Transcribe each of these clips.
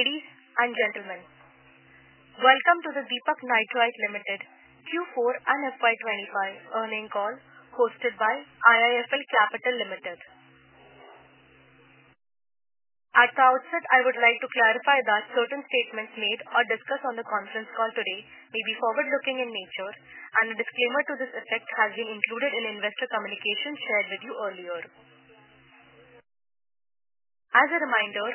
Ladies and gentlemen, welcome to the Deepak Nitrite Limited Q4 and FY 2025 Earnings Call hosted by IIFL Capital Limited. At the outset, I would like to clarify that certain statements made or discussed on the conference call today may be forward-looking in nature, and a disclaimer to this effect has been included in investor communication shared with you earlier. As a reminder,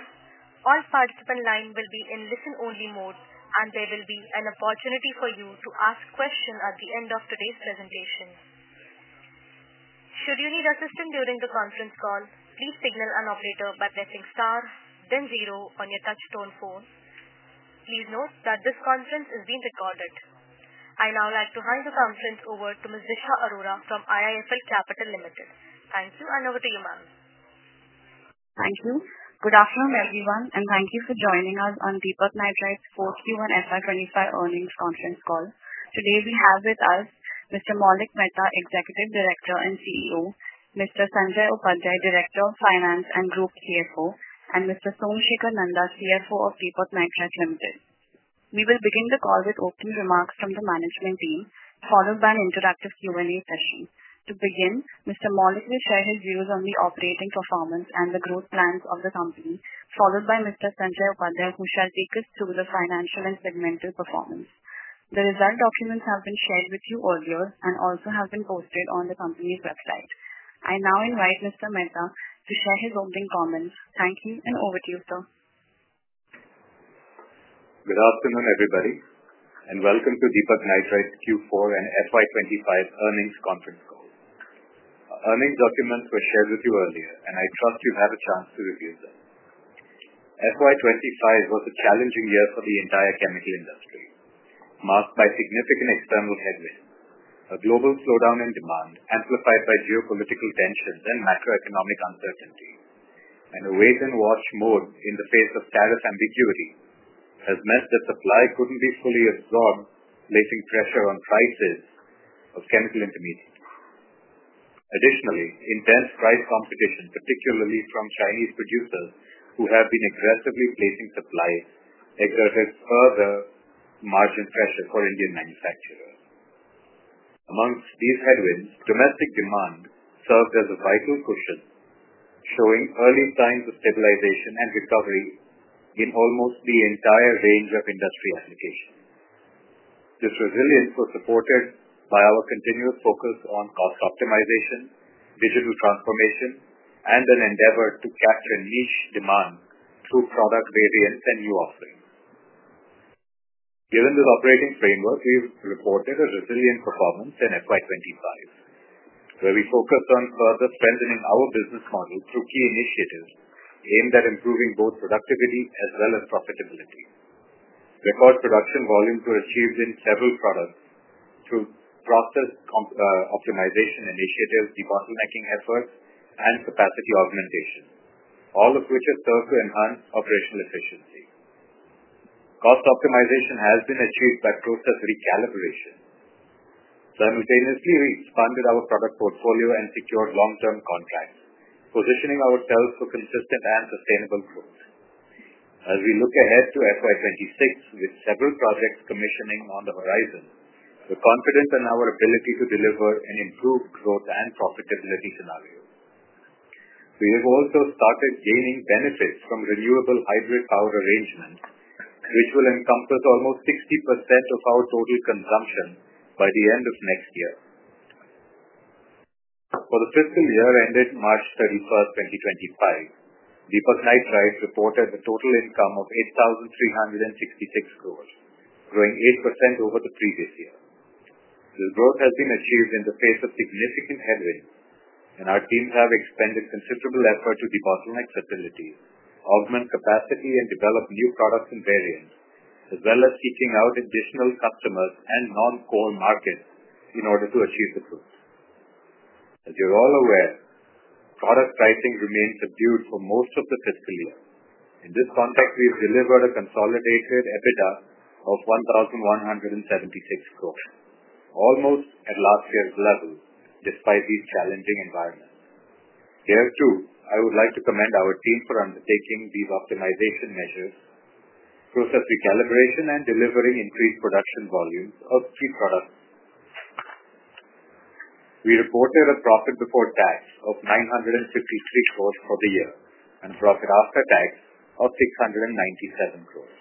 all participants' lines will be in listen-only mode, and there will be an opportunity for you to ask questions at the end of today's presentation. Should you need assistance during the conference call, please signal an operator by pressing star, then zero on your touch-tone phone. Please note that this conference is being recorded. I now like to hand the conference over to Ms. Disha Arora from IIFL Capital Limited. Thank you, and over to you, ma'am. Thank you. Good afternoon, everyone, and thank you for joining us on Deepak Nitrite's Q4 FY 2025 Earnings Conference Call. Today, we have with us Mr. Maulik Mehta, Executive Director and CEO; Mr. Sanjay Upadhyay, Director of Finance and Group CFO; and Mr. Somsekhar Nanda, CFO of Deepak Nitrite Limited. We will begin the call with opening remarks from the management team, followed by an interactive Q&A session. To begin, Mr. Maulik will share his views on the operating performance and the growth plans of the company, followed by Mr. Sanjay Upadhyay, who shall take us through the financial and segmental performance. The result documents have been shared with you earlier and also have been posted on the company's website. I now invite Mr. Mehta to share his opening comments. Thank you, and over to you, sir. Good afternoon, everybody, and welcome to Deepak Nitrite's Q4 and FY 2025 Earnings Conference Call. Earnings documents were shared with you earlier, and I trust you've had a chance to review them. FY 2025 was a challenging year for the entire chemical industry, marked by significant external headwinds, a global slowdown in demand amplified by geopolitical tensions and macroeconomic uncertainty, and a wait-and-watch mode in the face of tariff ambiguity has meant that supply could not be fully absorbed, placing pressure on prices of chemical intermediates. Additionally, intense price competition, particularly from Chinese producers who have been aggressively placing supply, exerted further margin pressure for Indian manufacturers. Amongst these headwinds, domestic demand served as a vital cushion, showing early signs of stabilization and recovery in almost the entire range of industry applications. This resilience was supported by our continuous focus on cost optimization, digital transformation, and an endeavor to capture niche demand through product variants and new offerings. Given this operating framework, we've reported a resilient performance in FY 2025, where we focused on further strengthening our business model through key initiatives aimed at improving both productivity as well as profitability. Record production volumes were achieved in several products through process optimization initiatives, debottlenecking efforts, and capacity augmentation, all of which have served to enhance operational efficiency. Cost optimization has been achieved by process recalibration, simultaneously expanded our product portfolio, and secured long-term contracts, positioning ourselves for consistent and sustainable growth. As we look ahead to FY 2026, with several projects commissioning on the horizon, we're confident in our ability to deliver an improved growth and profitability scenario. We have also started gaining benefits from renewable hybrid power arrangements, which will encompass almost 60% of our total consumption by the end of next year. For the fiscal year ended March 31, 2025, Deepak Nitrite reported a total income of 8,366 crore, growing 8% over the previous year. This growth has been achieved in the face of significant headwinds, and our teams have expended considerable effort to debottleneck facilities, augment capacity, and develop new products and variants, as well as seeking out additional customers and non-coal markets in order to achieve the growth. As you're all aware, product pricing remained subdued for most of the fiscal year. In this context, we've delivered a consolidated EBITDA of 1,176 crore, almost at last year's level despite these challenging environments. Here, too, I would like to commend our team for undertaking these optimization measures, process recalibration, and delivering increased production volumes of key products. We reported a profit before tax of 953 crore for the year and a profit after tax of 697 crore.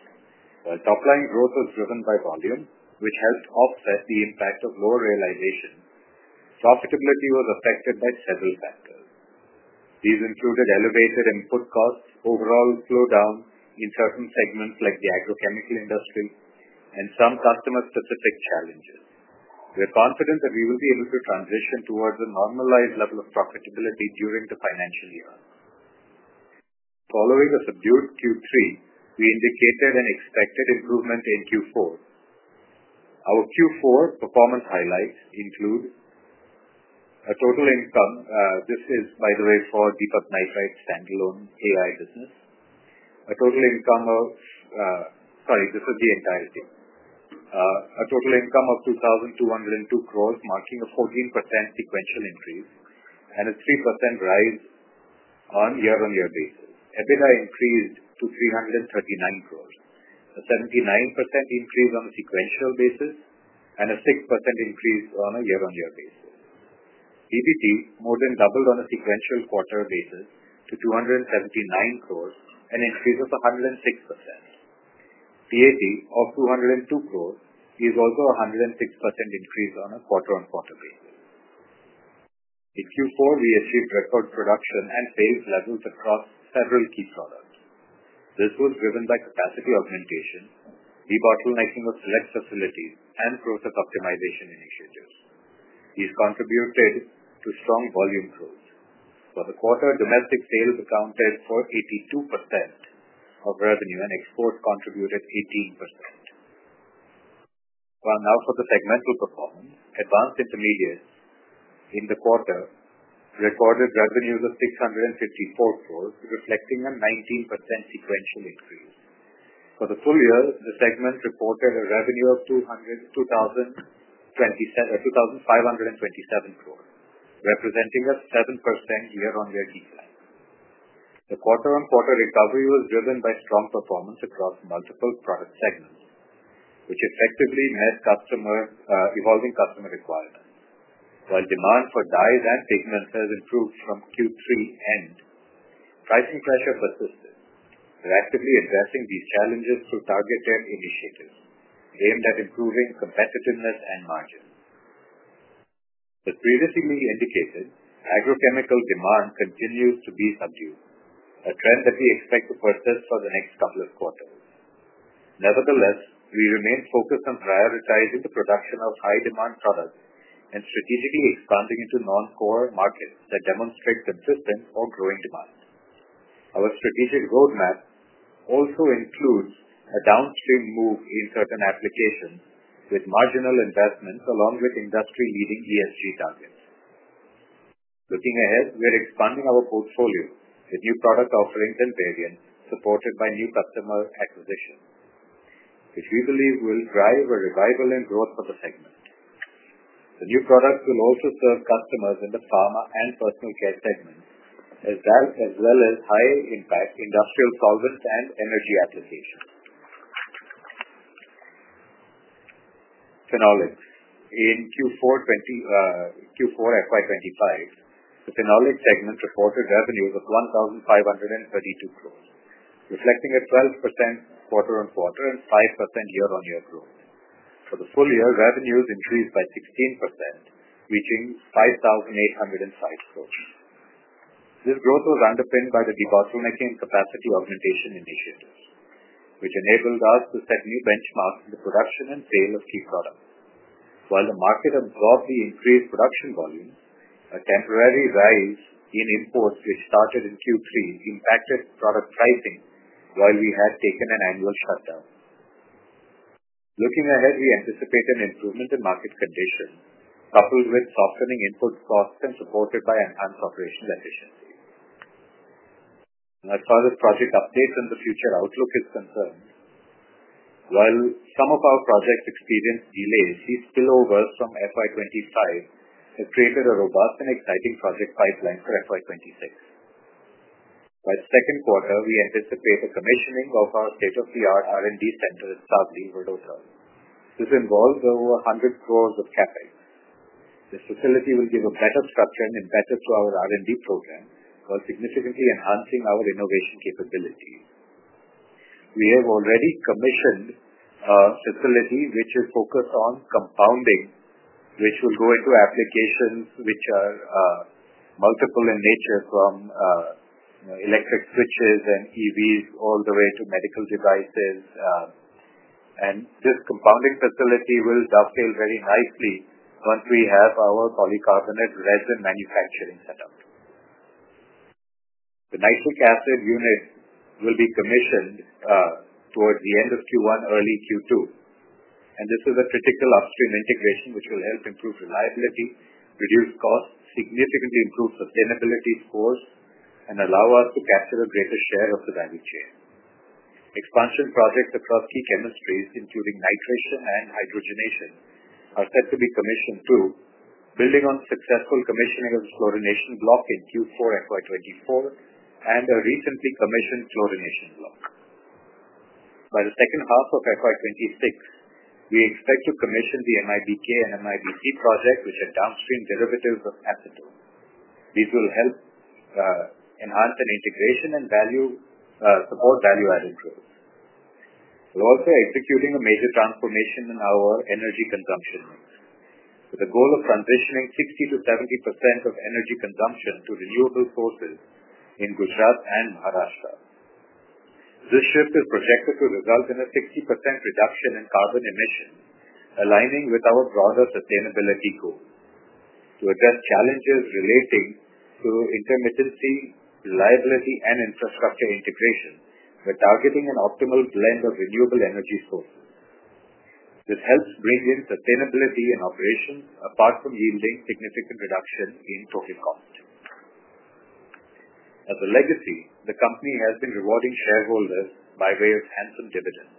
While top line growth was driven by volume, which helped offset the impact of lower realization, profitability was affected by several factors. These included elevated input costs, overall slowdown in certain segments like the agrochemical industry, and some customer-specific challenges. We're confident that we will be able to transition towards a normalized level of profitability during the financial year. Following a subdued Q3, we indicated an expected improvement in Q4. Our Q4 performance highlights include a total income—this is, by the way, for Deepak Nitrite's standalone AI business—sorry, this is the entirety—a total income of 2,202 crore, marking a 14% sequential increase and a 3% rise on year-on-year basis. EBITDA increased to 339 crore, a 79% increase on a sequential basis, and a 6% increase on a year-on-year basis. EBITDA more than doubled on a sequential quarter basis to 279 crore, an increase of 106%. PAT of 202 crore is also a 106% increase on a quarter-on-quarter basis. In Q4, we achieved record production and sales levels across several key products. This was driven by capacity augmentation, debottlenecking of select facilities, and process optimization initiatives. These contributed to strong volume growth. For the quarter, domestic sales accounted for 82% of revenue, and exports contributed 18%. Now, for the segmental performance, advanced intermediates in the quarter recorded revenues of 654 crore, reflecting a 19% sequential increase. For the full year, the segment reported a revenue of 2,527 crore, representing a 7% year-on-year decline. The quarter-on-quarter recovery was driven by strong performance across multiple product segments, which effectively met evolving customer requirements. While demand for dyes and pigments has improved from Q3 end, pricing pressure persisted. We're actively addressing these challenges through targeted initiatives aimed at improving competitiveness and margins. As previously indicated, agrochemical demand continues to be subdued, a trend that we expect to persist for the next couple of quarters. Nevertheless, we remain focused on prioritizing the production of high-demand products and strategically expanding into non-core markets that demonstrate consistent or growing demand. Our strategic roadmap also includes a downstream move in certain applications with marginal investments along with industry-leading ESG targets. Looking ahead, we're expanding our portfolio with new product offerings and variants supported by new customer acquisitions, which we believe will drive a revival and growth for the segment. The new products will also serve customers in the pharma and personal care segments, as well as high-impact industrial solvents and energy applications. Phenolics. In Q4 FY 2025, the phenolic segment reported revenues of 1,532 crore, reflecting a 12% quarter-on-quarter and 5% year-on-year growth. For the full year, revenues increased by 16%, reaching 5,805 crore. This growth was underpinned by the debottlenecking capacity augmentation initiatives, which enabled us to set new benchmarks in the production and sale of key products. While the market absorbs the increased production volumes, a temporary rise in imports, which started in Q3, impacted product pricing while we had taken an annual shutdown. Looking ahead, we anticipate an improvement in market conditions, coupled with softening input costs and supported by enhanced operational efficiency. As far as project updates and the future outlook is concerned, while some of our projects experienced delays, these spillovers from FY 2025 have created a robust and exciting project pipeline for FY 2026. By the second quarter, we anticipate the commissioning of our state-of-the-art R&D center at Sadlee, Worota. This involves over 100 crore of CapEx. This facility will give a better structure and embed it to our R&D program while significantly enhancing our innovation capabilities. We have already commissioned a facility which is focused on compounding, which will go into applications which are multiple in nature, from electric switches and EVs all the way to medical devices. This compounding facility will dovetail very nicely once we have our polycarbonate resin manufacturing set up. The nitric acid unit will be commissioned towards the end of Q1, early Q2. This is a critical upstream integration which will help improve reliability, reduce costs, significantly improve sustainability scores, and allow us to capture a greater share of the value chain. Expansion projects across key chemistries, including nitration and hydrogenation, are set to be commissioned, too, building on successful commissioning of the chlorination block in Q4 FY 2024 and a recently commissioned chlorination block. By the second half of FY 2026, we expect to commission the MIBK and MIBC projects, which are downstream derivatives of acetone. These will help enhance integration and support value-added growth. We're also executing a major transformation in our energy consumption mix, with a goal of transitioning 60%-70% of energy consumption to renewable sources in Gujarat and Maharashtra. This shift is projected to result in a 60% reduction in carbon emissions, aligning with our broader sustainability goals. To address challenges relating to intermittency, reliability, and infrastructure integration, we're targeting an optimal blend of renewable energy sources. This helps bring in sustainability and operations apart from yielding significant reduction in total cost. As a legacy, the company has been rewarding shareholders by way of handsome dividends.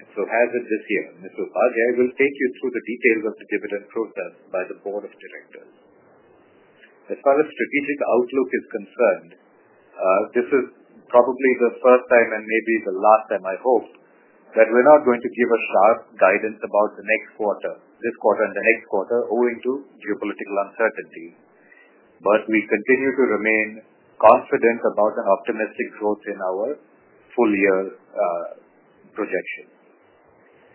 And so has it this year. Mr. Upadhyay will take you through the details of the dividend process by the board of directors. As far as strategic outlook is concerned, this is probably the first time and maybe the last time, I hope, that we're not going to give a sharp guidance about the next quarter, this quarter and the next quarter, owing to geopolitical uncertainty. But we continue to remain confident about an optimistic growth in our full-year projection.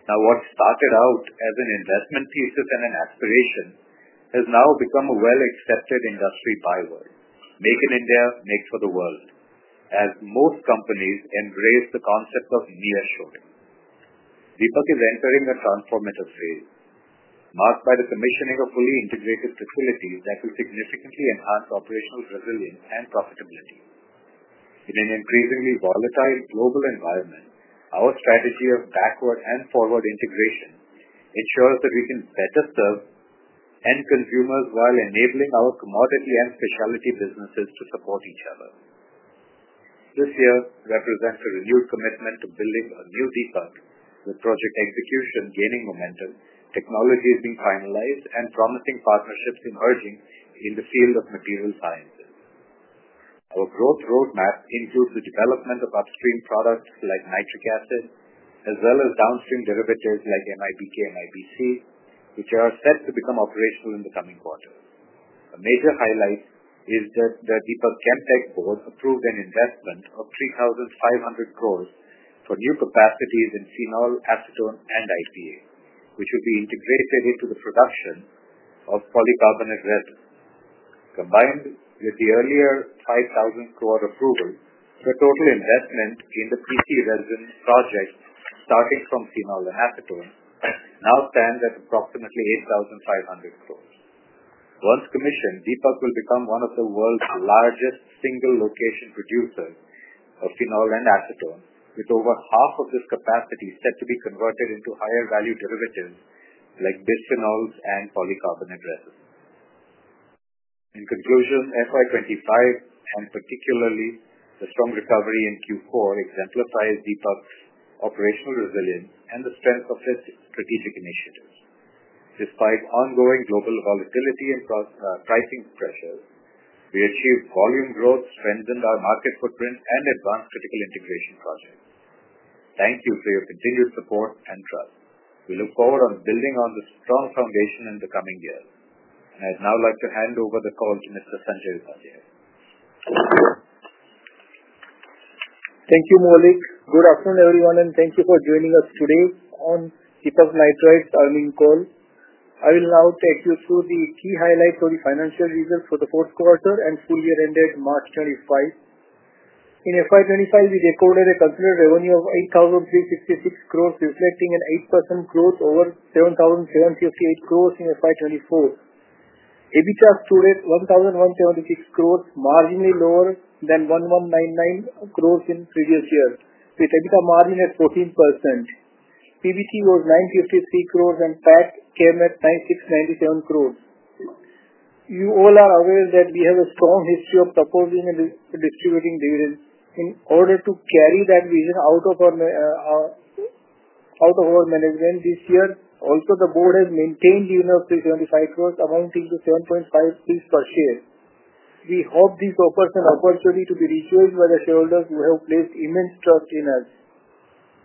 Now, what started out as an investment thesis and an aspiration has now become a well-accepted industry byword, "Make in India, make for the world," as most companies embrace the concept of nearshoring. Deepak is entering a transformative phase marked by the commissioning of fully integrated facilities that will significantly enhance operational resilience and profitability. In an increasingly volatile global environment, our strategy of backward and forward integration ensures that we can better serve end consumers while enabling our commodity and specialty businesses to support each other. This year represents a renewed commitment to building a new Deepak, with project execution gaining momentum, technologies being finalized, and promising partnerships emerging in the field of material sciences. Our growth roadmap includes the development of upstream products like nitric acid, as well as downstream derivatives like MIBK, MIBC, which are set to become operational in the coming quarter. A major highlight is that the Deepak Nitrite board approved an investment of 3,500 crore for new capacities in phenol, acetone, and IPA, which will be integrated into the production of polycarbonate resin. Combined with the earlier 5,000 crore approval, the total investment in the PC resin project, starting from phenol and acetone, now stands at approximately 8,500 crore. Once commissioned, Deepak will become one of the world's largest single-location producers of phenol and acetone, with over half of this capacity set to be converted into higher-value derivatives like bisphenols and polycarbonate resin. In conclusion, FY 2025, and particularly the strong recovery in Q4, exemplifies Deepak's operational resilience and the strength of its strategic initiatives. Despite ongoing global volatility and pricing pressures, we achieved volume growth, strengthened our market footprint, and advanced critical integration projects. Thank you for your continued support and trust. We look forward to building on this strong foundation in the coming years. I would now like to hand over the call to Mr. Sanjay Upadhyay. Thank you, Maulik. Good afternoon, everyone, and thank you for joining us today on Deepak Nitrite Ranjit Cirumalla call. I will now take you through the key highlights for the financial results for the fourth quarter and full-year ended March 2025. In FY 2025, we recorded a considerable revenue of 8,366 crore, reflecting an 8% growth over 7,758 crore in FY 2024. EBITDA accrued at 1,176 crore, marginally lower than 1,199 crore in previous year, with EBITDA margin at 14%. PBT was 953 crore, and PAT came at 969.7 crore. You all are aware that we have a strong history of proposing and distributing dividends. In order to carry that vision out of our management this year, also, the board has maintained the investment of 75 crore, amounting to 7.5 per share. We hope this offers an opportunity to be rejoiced by the shareholders who have placed immense trust in us.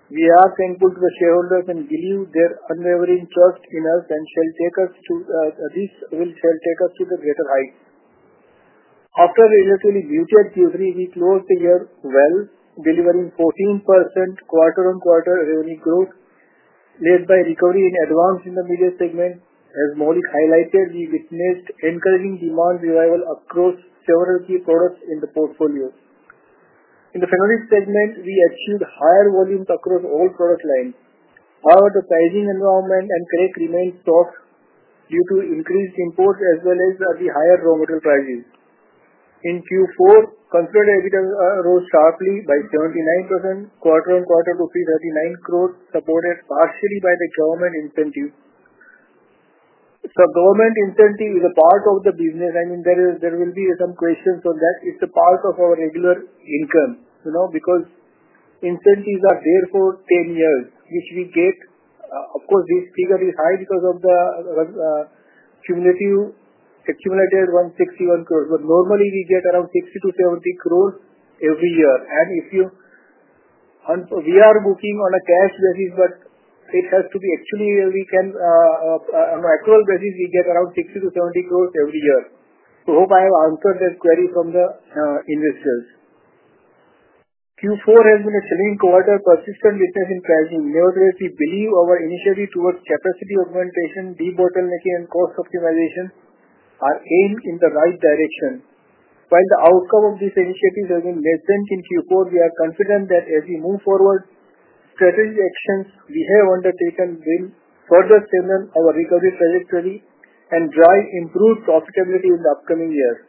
We are thankful to the shareholders and believe their unwavering trust in us, and this will take us to greater heights. After a relatively muted Q3, we closed the year well, delivering 14% quarter-on-quarter revenue growth, led by recovery in advanced intermediates segment. As Maulik highlighted, we witnessed encouraging demand revival across several key products in the portfolio. In the phenolics segment, we achieved higher volumes across all product lines. However, the pricing environment and correction remained soft due to increased imports as well as the higher raw material prices. In Q4, consolidated EBITDA rose sharply by 79% quarter-on-quarter to 339 crore rupees, supported partially by the Government incentive. Government incentive is a part of the business. I mean, there will be some questions on that. It is a part of our regular income because incentives are there for 10 years, which we get. Of course, this figure is high because of the cumulative 161 crore. Normally, we get around 60 crore-70 crore every year. We are working on a cash basis, but it has to be actually on an actual basis, we get around 60 crore-70 crore every year. I hope I have answered that query from the investors. Q4 has been a chilling quarter, persistent weakness in pricing. Nevertheless, we believe our initiative towards capacity augmentation, debottlenecking, and cost optimization are aimed in the right direction. While the outcome of these initiatives has been lessened in Q4, we are confident that as we move forward, strategic actions we have undertaken will further steam up our recovery trajectory and drive improved profitability in the upcoming years.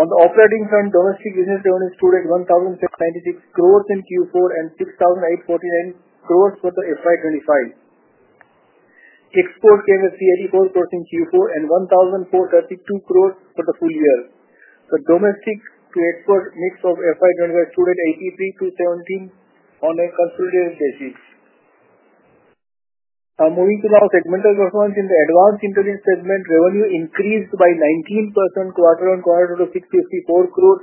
On the operating front, domestic business revenue stood at INR 1,796 crore in Q4 and INR 6,849 crore for the FY 2025. Export came at INR 384 crore in Q4 and INR 1,432 crore for the full year. The domestic-to-export mix of FY 2025 stood at 83-17 on a consolidated basis. Moving to now, segmental performance in the advanced intermediate segment, revenue increased by 19% quarter-on-quarter to 654 crore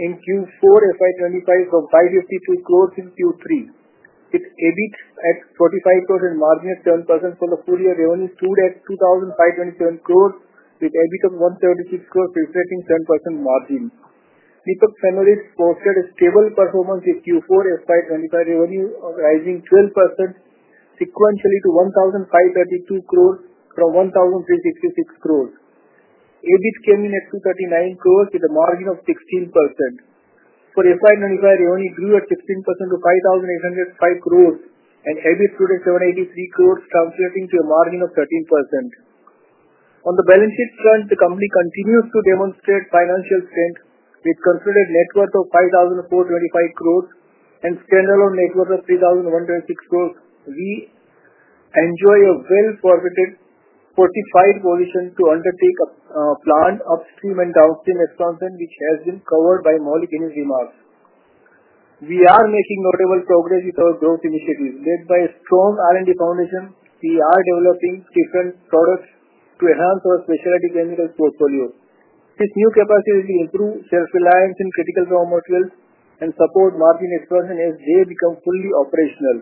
in Q4 FY 2025 from 552 crore in Q3. With EBIT at 45 crore and margin of 7%, for the full year, revenue stood at 2,527 crore, with EBIT of 176 crore, reflecting 7% margin. Deepak Nitrite Ranjit Cirumalla posted a stable performance in Q4 FY 2025, revenue rising 12% sequentially to 1,532 crore from 1,366 crore. EBIT came in at 239 crore with a margin of 16%. For FY 2025, revenue grew at 16% to 5,805 crore, and EBIT stood at 783 crore, translating to a margin of 13%. On the balance sheet front, the company continues to demonstrate financial strength with considered net worth of 5,425 crore and standalone net worth of 3,126 crore. We enjoy a well-fortified position to undertake a planned upstream and downstream expansion, which has been covered by Maulik in his remarks. We are making notable progress with our growth initiatives. Led by a strong R&D foundation, we are developing different products to enhance our specialty chemicals portfolio. This new capacity will improve self-reliance in critical raw materials and support margin expansion as they become fully operational.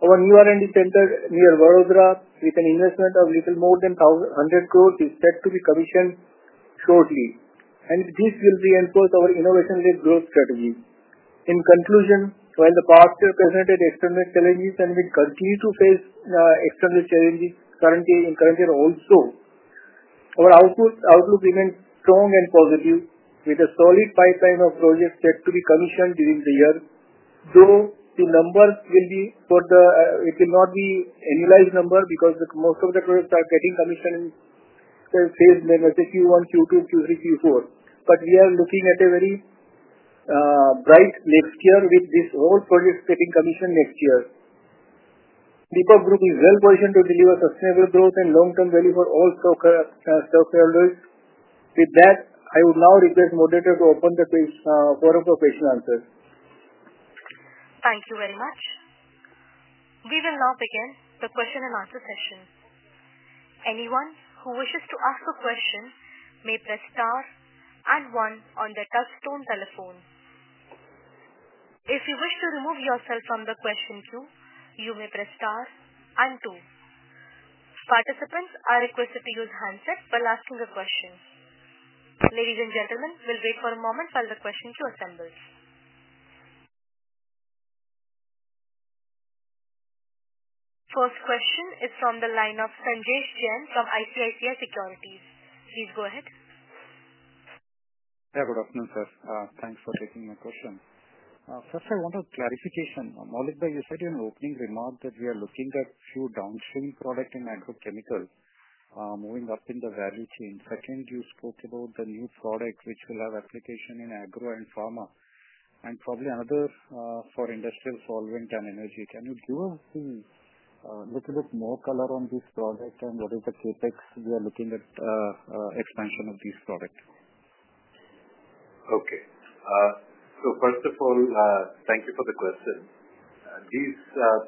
Our new R&D center near Worota, with an investment of a little more than 100 crore, is set to be commissioned shortly. This will reinforce our innovation-led growth strategy. In conclusion, while the past year presented external challenges and we continue to face external challenges in current year, also, our outlook remains strong and positive, with a solid pipeline of projects set to be commissioned during the year, though the number will be for the it will not be annualized number because most of the projects are getting commissioned in phase Q1, Q2, Q3, Q4. We are looking at a very bright next year with this whole project getting commissioned next year. Deepak Nitrite is well-positioned to deliver sustainable growth and long-term value for all shareholders. With that, I would now request Moderator to open the forum for question and answers. Thank you very much. We will now begin the question and answer session. Anyone who wishes to ask a question may press star and one on the touchstone telephone. If you wish to remove yourself from the question queue, you may press star and two. Participants are requested to use handset while asking a question. Ladies and gentlemen, we'll wait for a moment while the question queue assembles. First question is from the line of Sanjay Jain from ICICI Securities. Please go ahead. Yeah, good afternoon, sir. Thanks for taking my question. First, I wanted clarification. Maulik, you said in the opening remark that we are looking at a few downstream products in agrochemicals moving up in the value chain. Second, you spoke about the new product which will have application in agro and pharma and probably another for industrial solvent and energy. Can you give us a little bit more color on this product and what is the CapEx we are looking at expansion of this product? Okay. First of all, thank you for the question. These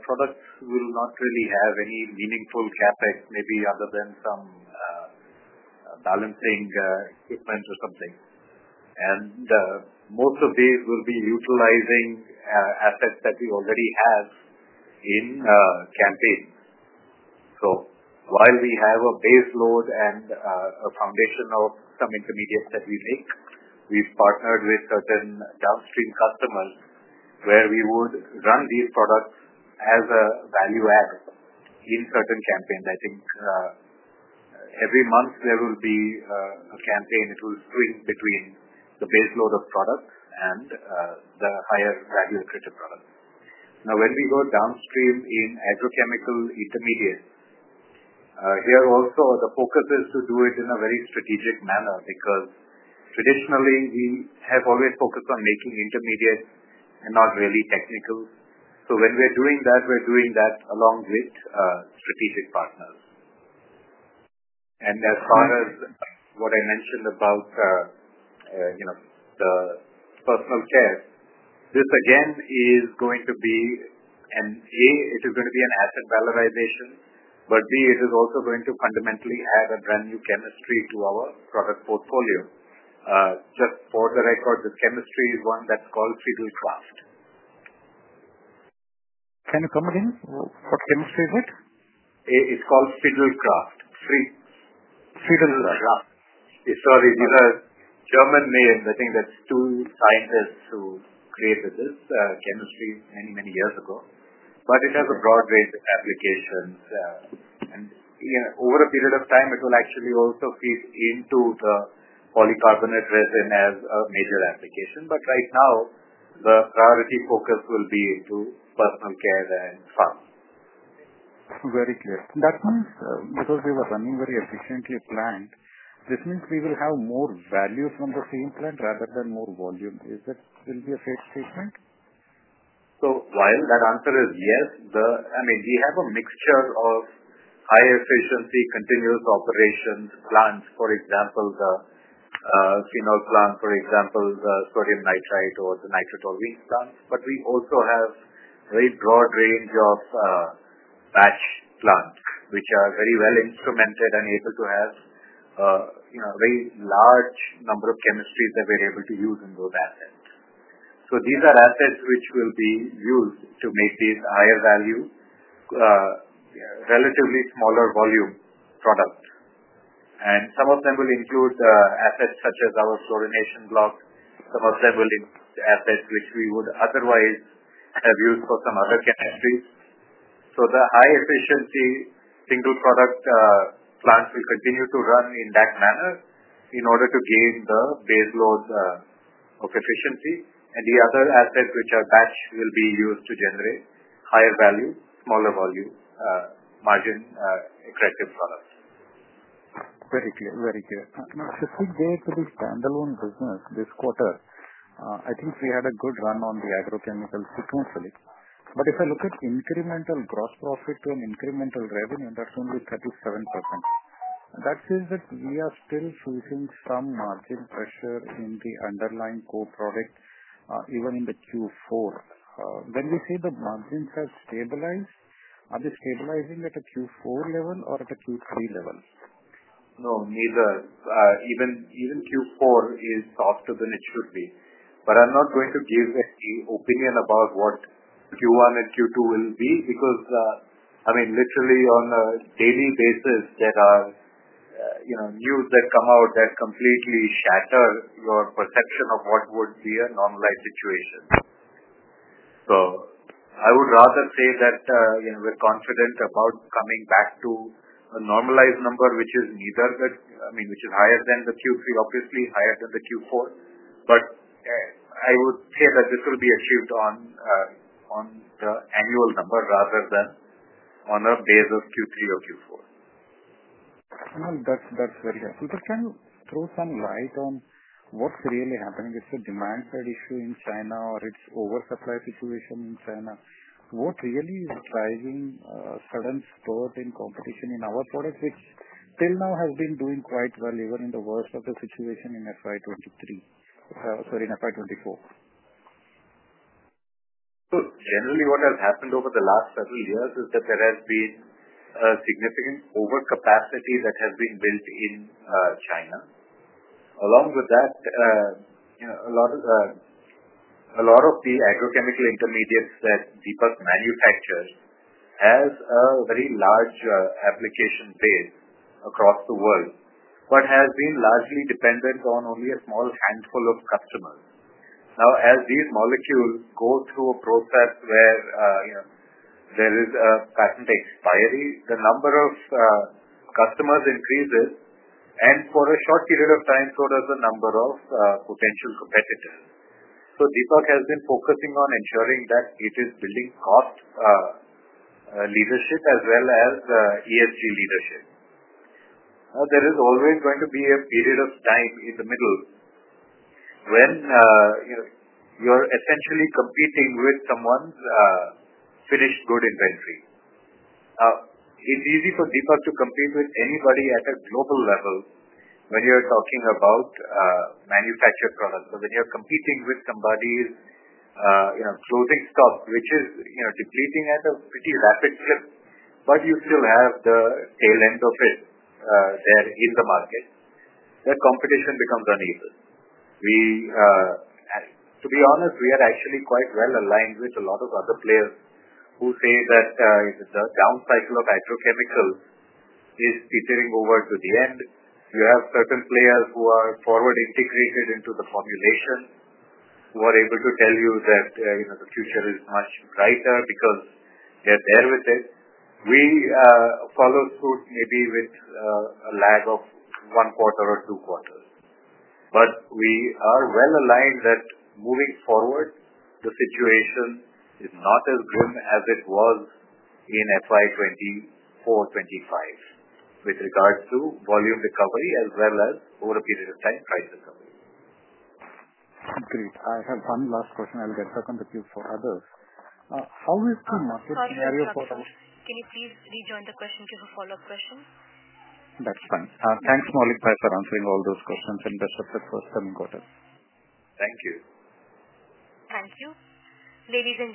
products will not really have any meaningful CapEx, maybe other than some balancing equipment or something. Most of these will be utilizing assets that we already have in campaigns. While we have a base load and a foundation of some intermediates that we make, we have partnered with certain downstream customers where we would run these products as a value add in certain campaigns. I think every month there will be a campaign. It will swing between the base load of products and the higher value-accretive products. Now, when we go downstream in agrochemical intermediates, here also, the focus is to do it in a very strategic manner because traditionally, we have always focused on making intermediates and not really technicals. When we are doing that, we are doing that along with strategic partners. As far as what I mentioned about the personal care, this again is going to be an A, it is going to be an asset valorization, but B, it is also going to fundamentally add a brand new chemistry to our product portfolio. Just for the record, the chemistry is one that's called Fiddlecraft. Can you come again? What chemistry is it? It's called Fiddlecraft. Fiddlecraft. Sorry, it's a German name. I think that's two scientists who created this chemistry many, many years ago. It has a broad range of applications. Over a period of time, it will actually also feed into the polycarbonate resin as a major application. Right now, the priority focus will be to personal care and pharma. Very clear. That means because we were running very efficiently planned, this means we will have more value from the same plant rather than more volume. Is that still the fair statement? While that answer is yes, I mean, we have a mixture of high-efficiency continuous operation plants, for example, the phenol plant, for example, the sodium nitrite or the nitroterpenes plant. We also have a very broad range of batch plants which are very well instrumented and able to have a very large number of chemistries that we're able to use in those assets. These are assets which will be used to make these higher-value, relatively smaller volume products. Some of them will include assets such as our fluorination block. Some of them will include assets which we would otherwise have used for some other chemistries. The high-efficiency single product plants will continue to run in that manner in order to gain the base load of efficiency. The other assets which are batch will be used to generate higher-value, smaller-volume margin-accretive products. Very clear. Very clear. Now, if we go to the standalone business this quarter, I think we had a good run on the agrochemicals sequentially. If I look at incremental gross profit to an incremental revenue, that's only 37%. That says that we are still facing some margin pressure in the underlying core product, even in the Q4. When we say the margins have stabilized, are they stabilizing at a Q4 level or at a Q3 level? No, neither. Even Q4 is softer than it should be. I am not going to give any opinion about what Q1 and Q2 will be because, I mean, literally on a daily basis, there are news that come out that completely shatter your perception of what would be a normalized situation. I would rather say that we are confident about coming back to a normalized number, which is neither the, I mean, which is higher than the Q3, obviously, higher than the Q4. I would say that this will be achieved on the annual number rather than on a base of Q3 or Q4. That's very helpful. Can you throw some light on what's really happening? Is it a demand-side issue in China or is it an oversupply situation in China? What really is driving a sudden stall in competition in our products, which till now has been doing quite well even in the worst of the situation in financial year 2023, sorry, in financial year 2024? Generally, what has happened over the last several years is that there has been a significant overcapacity that has been built in China. Along with that, a lot of the agrochemical intermediates that Deepak manufactures have a very large application base across the world but have been largely dependent on only a small handful of customers. Now, as these molecules go through a process where there is a patent expiry, the number of customers increases. For a short period of time, so does the number of potential competitors. Deepak has been focusing on ensuring that it is building cost leadership as well as ESG leadership. There is always going to be a period of time in the middle when you're essentially competing with someone's finished good inventory. It's easy for Deepak to compete with anybody at a global level when you're talking about manufactured products. When you're competing with somebody's closing stock, which is depleting at a pretty rapid clip, but you still have the tail end of it there in the market, that competition becomes uneven. To be honest, we are actually quite well aligned with a lot of other players who say that the down cycle of agrochemicals is teetering over to the end. You have certain players who are forward integrated into the formulation, who are able to tell you that the future is much brighter because they're there with it. We follow suit maybe with a lag of one quarter or two quarters. We are well aligned that moving forward, the situation is not as grim as it was in FY 2024-2025 with regards to volume recovery as well as, over a period of time, price recovery. Great. I have one last question. I'll get back on the queue for others. How is the market scenario for? Sorry, Mr. Nitrite. Can you please rejoin the question queue for follow-up questions? That's fine. Thanks, Maulik Mehta, for answering all those questions and best of luck for the coming quarter. Thank you. Thank you. Ladies and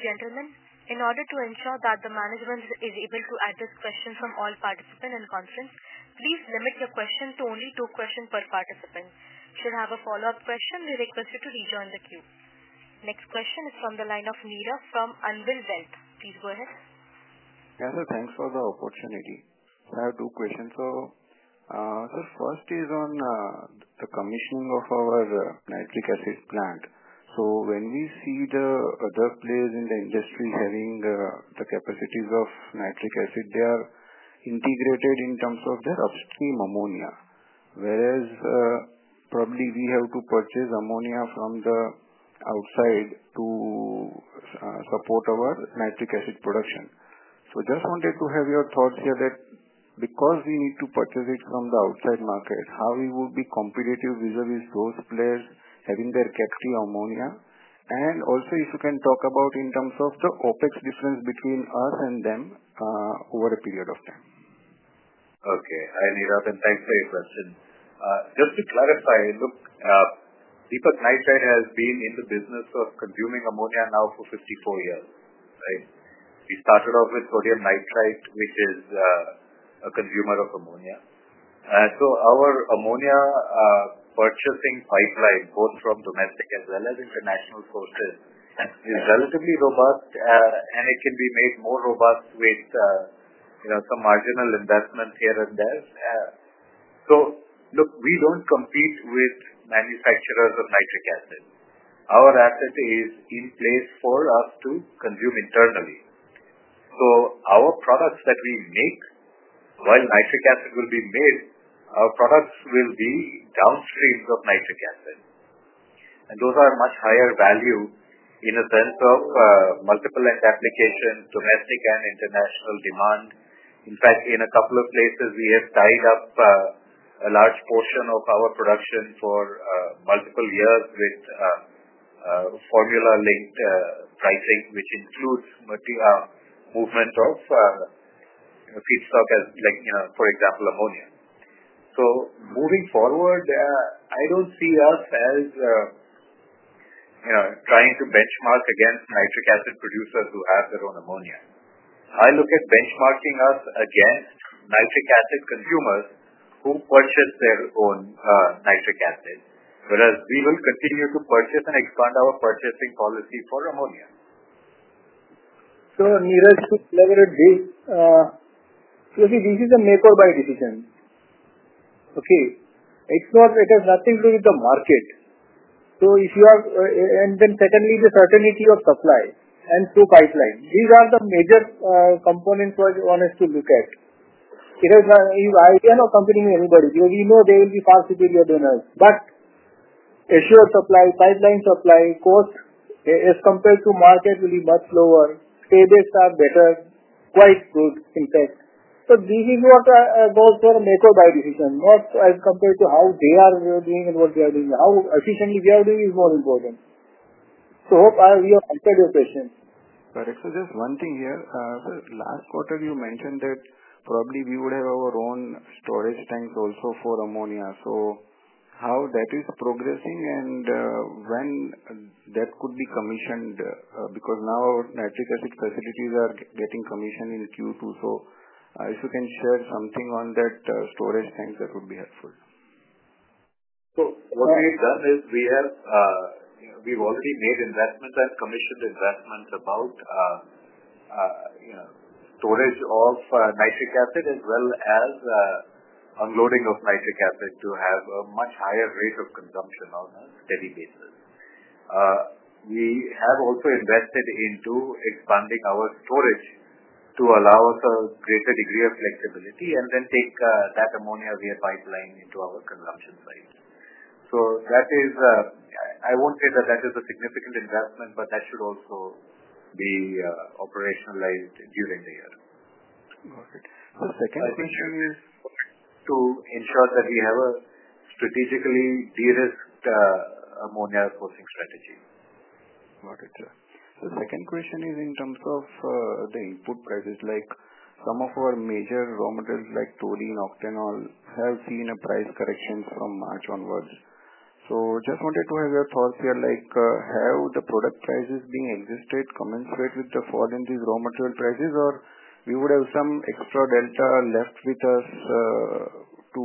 gentlemen, in order to ensure that the management is able to address questions from all participants in conference, please limit your question to only two questions per participant. Should you have a follow-up question, we request you to rejoin the queue. Next question is from the line of Meera from Unwill Wealth. Please go ahead. Yes, sir. Thanks for the opportunity. I have two questions. The first is on the commissioning of our nitric acid plant. When we see the other players in the industry having the capacities of nitric acid, they are integrated in terms of their upstream ammonia, whereas probably we have to purchase ammonia from the outside to support our nitric acid production. I just wanted to have your thoughts here that because we need to purchase it from the outside market, how we would be competitive vis-à-vis those players having their captive ammonia? Also, if you can talk about in terms of the OpEx difference between us and them over a period of time. Okay. Hi, Meera. And thanks for your question. Just to clarify, look, Deepak Nitrite has been in the business of consuming ammonia now for 54 years, right? We started off with sodium nitrite, which is a consumer of ammonia. Our ammonia purchasing pipeline, both from domestic as well as international sources, is relatively robust, and it can be made more robust with some marginal investment here and there. We do not compete with manufacturers of nitric acid. Our asset is in place for us to consume internally. Our products that we make, while nitric acid will be made, our products will be downstreams of nitric acid. Those are much higher value in a sense of multiple end applications, domestic and international demand. In fact, in a couple of places, we have tied up a large portion of our production for multiple years with formula-linked pricing, which includes movement of feedstock, for example, ammonia. Moving forward, I do not see us as trying to benchmark against nitric acid producers who have their own ammonia. I look at benchmarking us against nitric acid consumers who purchase their own nitric acid, whereas we will continue to purchase and expand our purchasing policy for ammonia. Meera, you should elaborate this. See, this is a make-or-buy decision. Okay? It has nothing to do with the market. Secondly, the certainty of supply and through pipeline. These are the major components one has to look at. If I am not competing with anybody, we know they will be far superior to us. Assured supply, pipeline supply, cost as compared to market will be much lower. Paybacks are better, quite good, in fact. This is what goes for a make-or-buy decision, not as compared to how they are doing and what we are doing. How efficiently we are doing is more important. Hope we have answered your question. Correct. Just one thing here. Last quarter, you mentioned that probably we would have our own storage tanks also for ammonia. How is that progressing and when could that be commissioned? Because now our nitric acid facilities are getting commissioned in Q2. If you can share something on that storage tanks, that would be helpful. What we've done is we've already made investments and commissioned investments about storage of nitric acid as well as unloading of nitric acid to have a much higher rate of consumption on a steady basis. We have also invested into expanding our storage to allow us a greater degree of flexibility and then take that ammonia via pipeline into our consumption site. I won't say that that is a significant investment, but that should also be operationalized during the year. Got it. The second question is. To ensure that we have a strategically de-risked ammonia sourcing strategy. Got it. The second question is in terms of the input prices. Some of our major raw materials like toluene, octanol have seen a price correction from March onwards. Just wanted to have your thoughts here. Have the product prices been adjusted commensurate with the fall in these raw material prices, or would we have some extra delta left with us to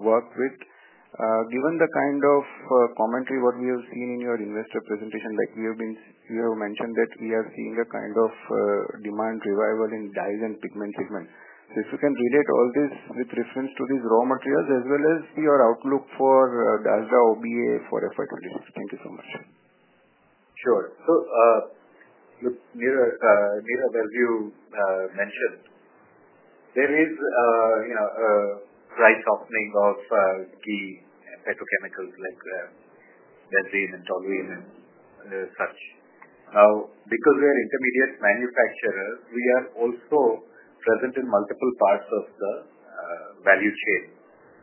work with? Given the kind of commentary we have seen in your investor presentation, you have mentioned that we are seeing a kind of demand revival in dyes and pigment segment. If you can relate all this with reference to these raw materials as well as your outlook for DASDA and OBA for FY 2026. Thank you so much. Sure. So look, Meera, as you mentioned, there is a price softening of key petrochemicals like benzene and toluene and such. Now, because we are intermediate manufacturers, we are also present in multiple parts of the value chain.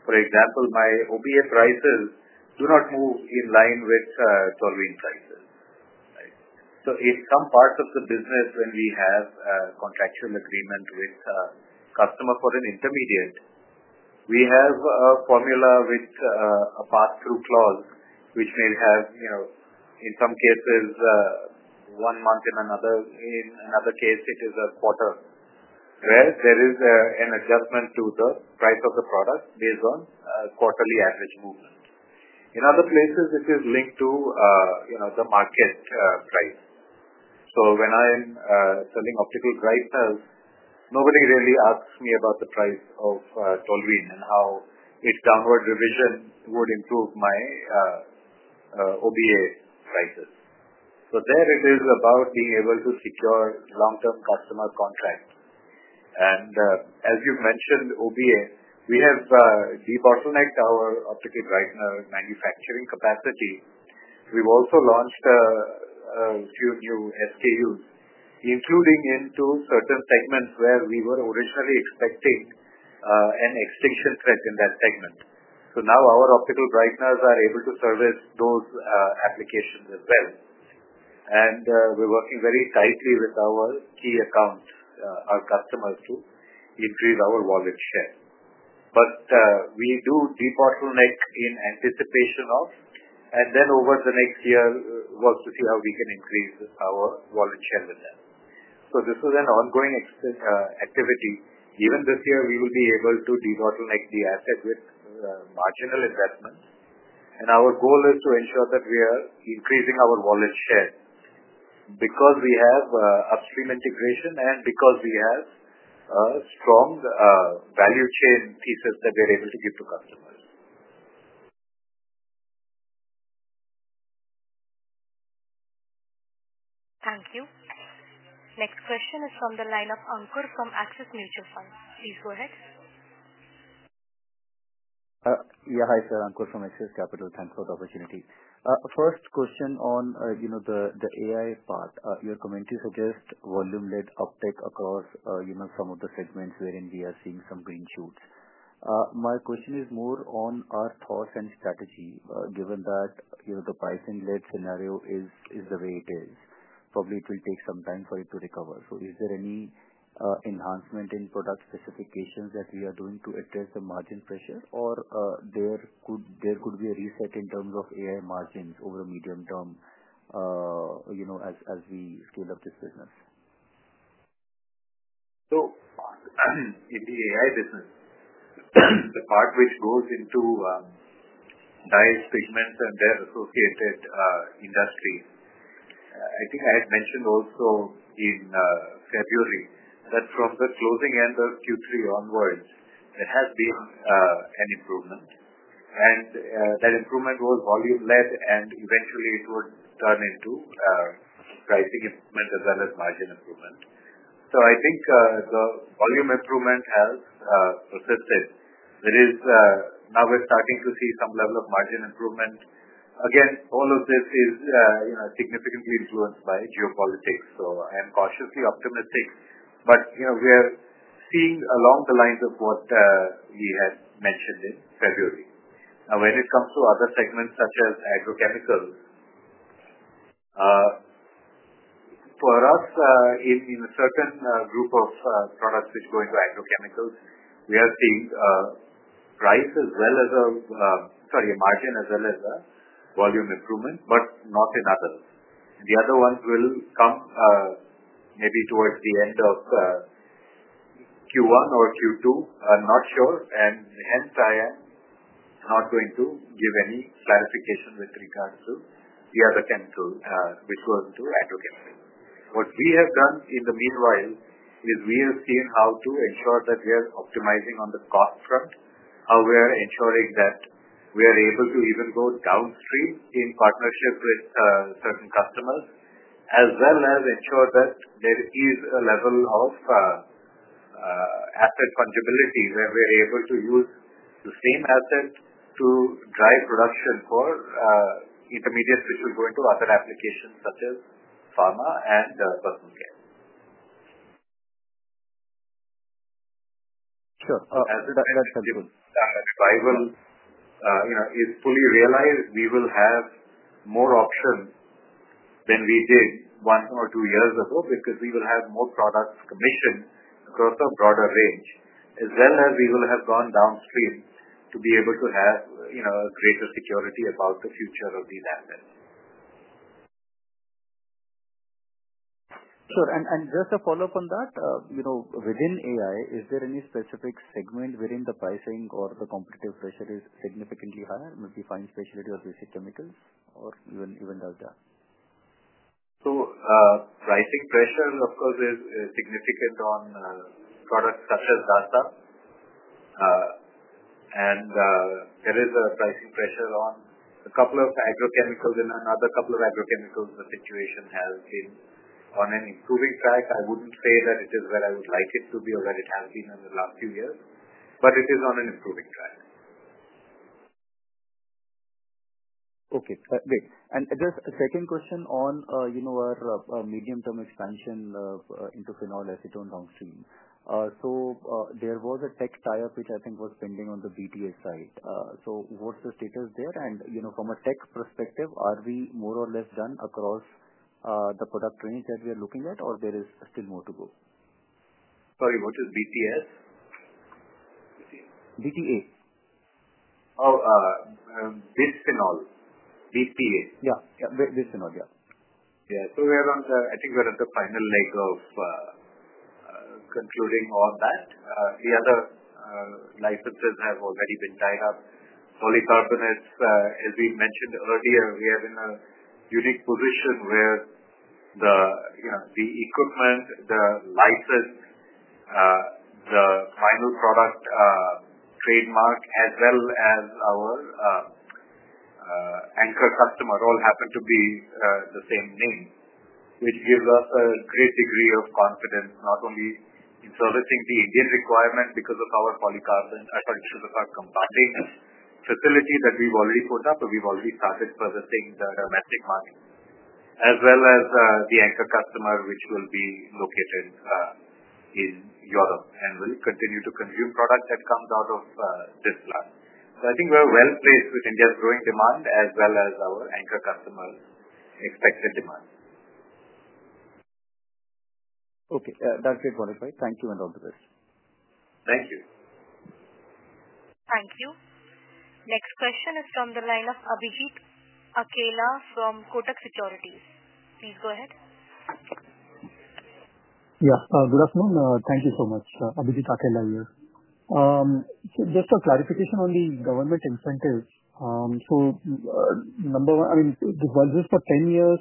For example, my OBA prices do not move in line with toluene prices. In some parts of the business, when we have a contractual agreement with a customer for an intermediate, we have a formula with a pass-through clause which may have, in some cases, one month; in another case, it is a quarter, where there is an adjustment to the price of the product based on quarterly average movement. In other places, it is linked to the market price. When I am selling optical dry cells, nobody really asks me about the price of toluene and how its downward revision would improve my OBA prices. There it is about being able to secure long-term customer contracts. As you have mentioned, OBA, we have debottlenecked our optical dry cleaner manufacturing capacity. We have also launched a few new SKUs, including into certain segments where we were originally expecting an extinction threat in that segment. Now our optical dry cleaners are able to service those applications as well. We are working very tightly with our key accounts, our customers, to increase our wallet share. We do debottleneck in anticipation of, and then over the next year, work to see how we can increase our wallet share with them. This is an ongoing activity. Even this year, we will be able to debottleneck the asset with marginal investments. Our goal is to ensure that we are increasing our wallet share because we have upstream integration and because we have strong value chain pieces that we are able to give to customers. Thank you. Next question is from the line of Ankur from Axis Capital. Please go ahead. Yeah. Hi, sir. Ankur from Axis Capital. Thanks for the opportunity. First question on the AI part. Your commentary suggests volume-led uptake across some of the segments wherein we are seeing some green shoots. My question is more on our thoughts and strategy, given that the pricing-led scenario is the way it is. Probably it will take some time for it to recover. Is there any enhancement in product specifications that we are doing to address the margin pressure, or there could be a reset in terms of AI margins over a medium term as we scale up this business? In the AI business, the part which goes into dyes, pigments, and their associated industries, I think I had mentioned also in February that from the closing end of Q3 onwards, there has been an improvement. That improvement was volume-led, and eventually, it would turn into pricing improvement as well as margin improvement. I think the volume improvement has persisted. Now we're starting to see some level of margin improvement. All of this is significantly influenced by geopolitics. I am cautiously optimistic. We are seeing along the lines of what we had mentioned in February. When it comes to other segments such as agrochemicals, for us, in a certain group of products which go into agrochemicals, we are seeing price as well as a margin as well as a volume improvement, but not in others. The other ones will come maybe towards the end of Q1 or Q2. I'm not sure. I am not going to give any clarification with regards to the other chemical which goes into agrochemicals. What we have done in the meanwhile is we have seen how to ensure that we are optimizing on the cost front, how we are ensuring that we are able to even go downstream in partnership with certain customers, as well as ensure that there is a level of asset fungibility where we are able to use the same asset to drive production for intermediates which will go into other applications such as pharma and personal care. Sure. As a result, if that revival is fully realized, we will have more options than we did one or two years ago because we will have more products commissioned across a broader range, as well as we will have gone downstream to be able to have greater security about the future of these assets. Sure. Just a follow-up on that. Within AI, is there any specific segment wherein the pricing or the competitive pressure is significantly higher, multifine specialty or basic chemicals, or even DASDA? Pricing pressure, of course, is significant on products such as DASDA. There is a pricing pressure on a couple of agrochemicals. In another couple of agrochemicals, the situation has been on an improving track. I would not say that it is where I would like it to be or that it has been in the last few years, but it is on an improving track. Okay. Great. Just a second question on our medium-term expansion into phenol acetone downstream. There was a tech tie-up which I think was pending on the BTA side. What is the status there? From a tech perspective, are we more or less done across the product range that we are looking at, or is there still more to go? Sorry, what is BTS? BTA. Oh, Bisphenols. BTA. Yeah. Bisphenol. Yeah. Yeah. I think we're at the final leg of concluding all that. The other licenses have already been tied up. Polycarbonates, as we mentioned earlier, we are in a unique position where the equipment, the license, the final product trademark, as well as our anchor customer all happen to be the same name, which gives us a great degree of confidence not only in servicing the Indian requirement because of our polycarbon—sorry, because of our combatting facility that we've already put up, but we've already started servicing the domestic market, as well as the anchor customer which will be located in Europe and will continue to consume product that comes out of this plant. I think we're well placed with India's growing demand as well as our anchor customer's expected demand. Okay. That's it, qualified. Thank you and all the best. Thank you. Thank you. Next question is from the line of Abhijit Akela from Kotak Securities. Please go ahead. Yeah. Good afternoon. Thank you so much. Abhijit Akela here. Just a clarification on the Government incentives. Number one, I mean, this was used for 10 years.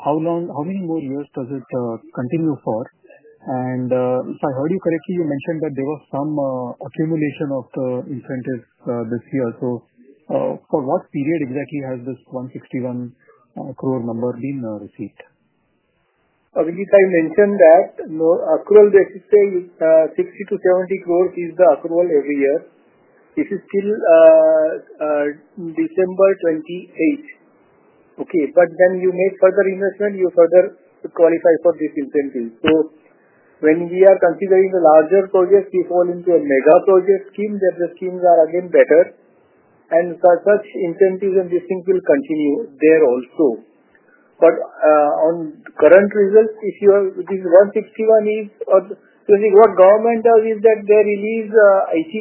How many more years does it continue for? If I heard you correctly, you mentioned that there was some accumulation of the incentives this year. For what period exactly has this 161 crore number been received? Abhijit, I mentioned that accrual basis, say 60 crore-70 crore is the accrual every year. This is till December 2028. Okay. You make further investment, you further qualify for this incentive. When we are considering the larger projects, we fall into a mega project scheme that the schemes are again better. As such, incentives and these things will continue there also. On current results, if you are—this 161 crore is—you see what Government does is that they release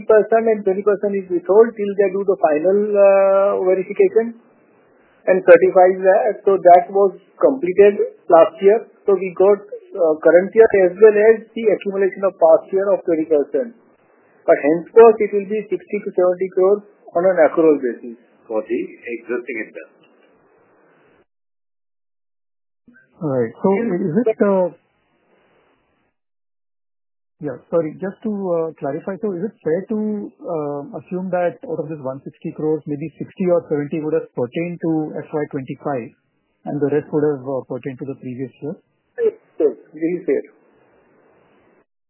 80% and 20% is withheld till they do the final verification and certify that. That was completed last year. We got current year as well as the accumulation of past year of 20%. Henceforth, it will be 60 crore-70 crore on an accrual basis. For the existing investment. All right. So is it—yeah. Sorry. Just to clarify, is it fair to assume that out of this 160 crore, maybe 60 crore or 70 crore would have pertained to FY 2025 and the rest would have pertained to the previous year? Yes. Yes. Really fair.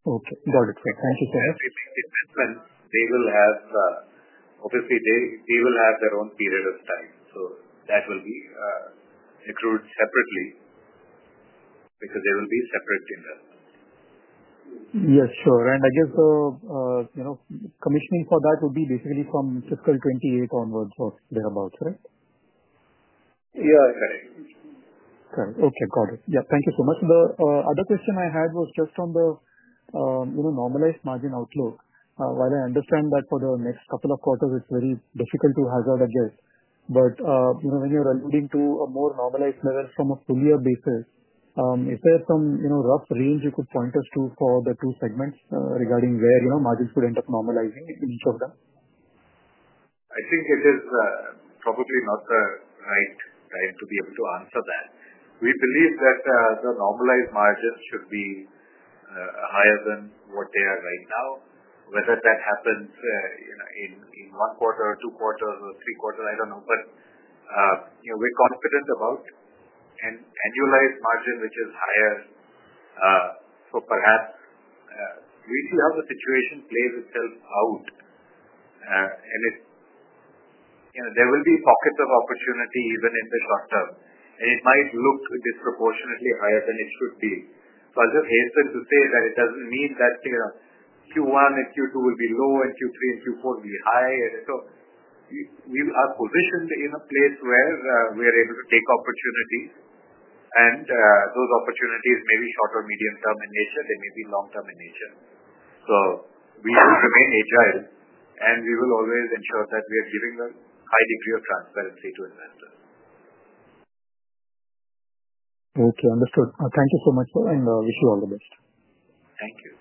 Okay. Got it. Thank you so much. Everything is different. They will have, obviously, they will have their own period of time. That will be accrued separately because there will be separate investments. Yes. Sure. I guess the commissioning for that would be basically from fiscal 2028 onwards or thereabouts, right? Yeah. Correct. Correct. Okay. Got it. Yeah. Thank you so much. The other question I had was just on the normalized margin outlook. While I understand that for the next couple of quarters, it is very difficult to hazard a guess, but when you are alluding to a more normalized level from a full-year basis, is there some rough range you could point us to for the two segments regarding where margins could end up normalizing in each of them? I think it is probably not the right time to be able to answer that. We believe that the normalized margins should be higher than what they are right now. Whether that happens in one quarter or two quarters or three quarters, I do not know. We are confident about an annualized margin which is higher. Perhaps we see how the situation plays itself out. There will be pockets of opportunity even in the short term. It might look disproportionately higher than it should be. I will just hasten to say that it does not mean that Q1 and Q2 will be low and Q3 and Q4 will be high. We are positioned in a place where we are able to take opportunities. Those opportunities may be short or medium-term in nature. They may be long-term in nature. We will remain agile, and we will always ensure that we are giving a high degree of transparency to investors. Okay. Understood. Thank you so much, sir. I wish you all the best. Thank you.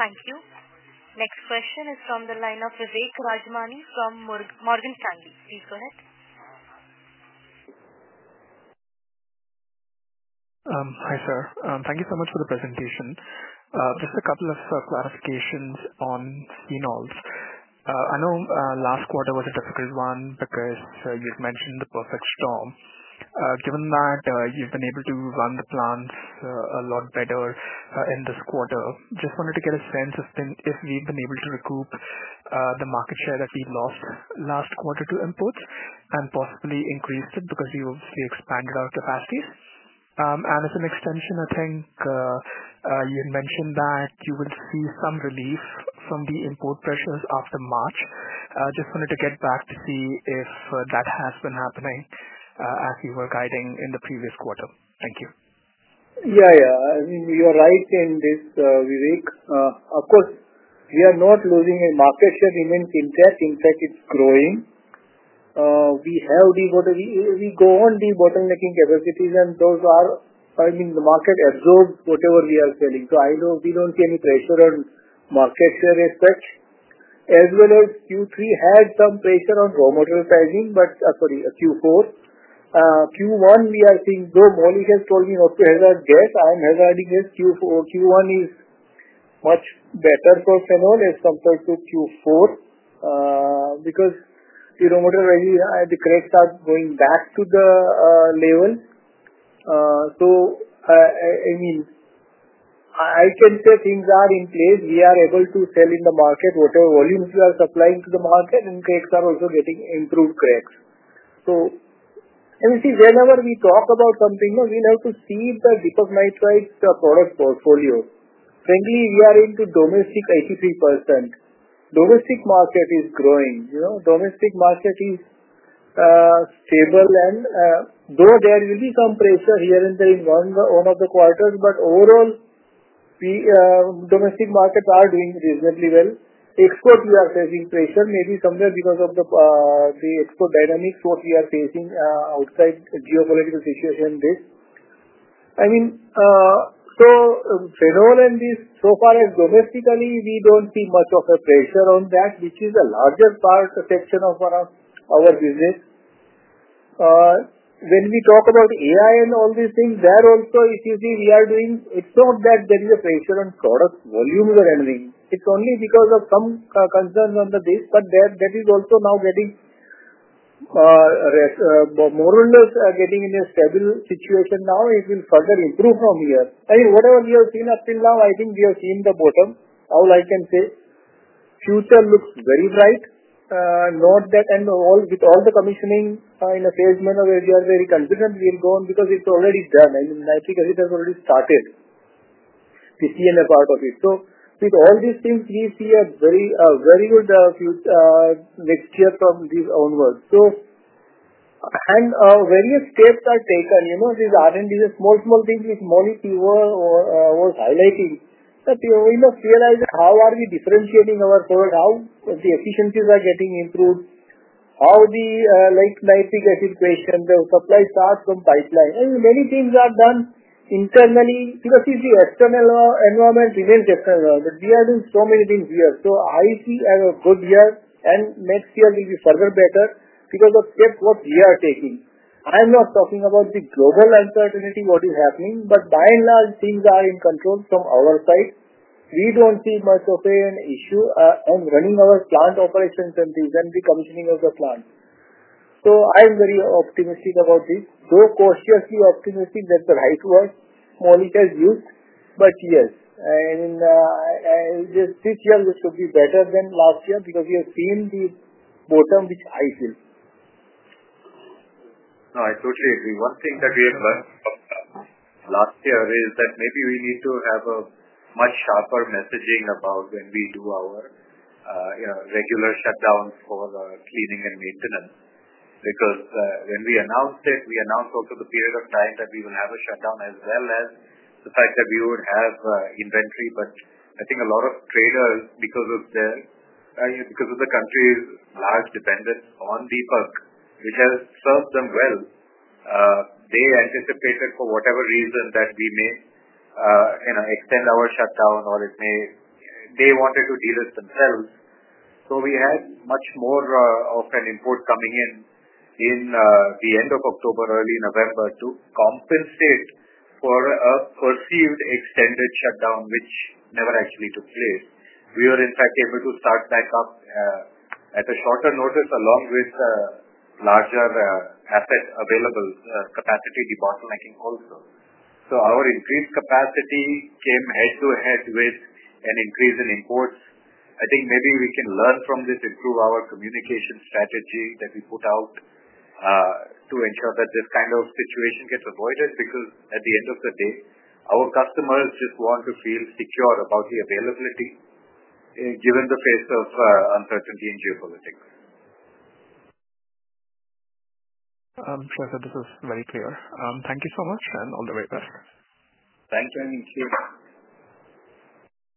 Thank you. Next question is from the line of Vivek Rajmani from Morgan Stanley. Please go ahead. Hi, sir. Thank you so much for the presentation. Just a couple of clarifications on phenols. I know last quarter was a difficult one because you'd mentioned the perfect storm. Given that you've been able to run the plants a lot better in this quarter, just wanted to get a sense of if we've been able to recoup the market share that we lost last quarter to imports and possibly increase it because we obviously expanded our capacities. As an extension, I think you had mentioned that you will see some relief from the import pressures after March. Just wanted to get back to see if that has been happening as you were guiding in the previous quarter. Thank you. Yeah. Yeah. I mean, you are right in this, Vivek. Of course, we are not losing a market share in that. In fact, it's growing. We have the—we go on the debottlenecking capacities, and those are—I mean, the market absorbs whatever we are selling. I know we do not see any pressure on market share as such. As well as Q3 had some pressure on raw material pricing, but—sorry—Q4. Q1, we are seeing though. Maulik has told me not to hazard guess. I am hazarding guess. Q1 is much better for phenol as compared to Q4 because the raw material—the cracks are going back to the level. I mean, I can say things are in place. We are able to sell in the market whatever volumes we are supplying to the market, and cracks are also getting improved cracks. Whenever we talk about something, we'll have to see the Deepak Nitrite product portfolio. Frankly, we are into domestic 83%. Domestic market is growing. Domestic market is stable. Though there will be some pressure here and there in one of the quarters, overall, domestic markets are doing reasonably well. Export, we are facing pressure maybe somewhere because of the export dynamics, what we are facing outside, geopolitical situation, this. I mean, phenol and this, so far as domestically, we do not see much of a pressure on that, which is a larger part section of our business. When we talk about AI and all these things, there also, we are doing—it's not that there is a pressure on product volumes or anything. It's only because of some concerns on the base, but that is also now more or less getting in a stable situation now. It will further improve from here. I mean, whatever we have seen up till now, I think we have seen the bottom. All I can say, future looks very bright. Not that with all the commissioning in a phased manner where we are very confident we'll go on because it's already done. I mean, nitric acid has already started. We see in a part of it. With all these things, we see a very good next year from this onwards. Various steps are taken. These R&D, small, small things which Maulik was highlighting. We must realize how are we differentiating our product, how the efficiencies are getting improved, how the nitric acid question, the supply start from pipeline. I mean, many things are done internally because if the external environment remains external environment, we are doing so many things here. I see a good year, and next year will be further better because of steps what we are taking. I'm not talking about the global uncertainty what is happening, but by and large, things are in control from our side. We don't see much of an issue in running our plant operations and the commissioning of the plant. I am very optimistic about this. Though cautiously optimistic, that's the right word Maulik has used. Yes, this year could be better than last year because we have seen the bottom which I feel. No, I totally agree. One thing that we have learned last year is that maybe we need to have a much sharper messaging about when we do our regular shutdowns for cleaning and maintenance because when we announced it, we announced also the period of time that we will have a shutdown as well as the fact that we would have inventory. I think a lot of traders, because of the country's large dependence on Deepak, which has served them well, anticipated for whatever reason that we may extend our shutdown or they wanted to deal it themselves. We had much more of an input coming in in the end of October, early November to compensate for a perceived extended shutdown, which never actually took place. We were in fact able to start back up at a shorter notice along with larger asset available capacity debottlenecking also. Our increased capacity came head to head with an increase in imports. I think maybe we can learn from this, improve our communication strategy that we put out to ensure that this kind of situation gets avoided because at the end of the day, our customers just want to feel secure about the availability given the face of uncertainty in geopolitics. I'm sure that this is very clear. Thank you so much and all the very best. Thank you. I mean, cheers.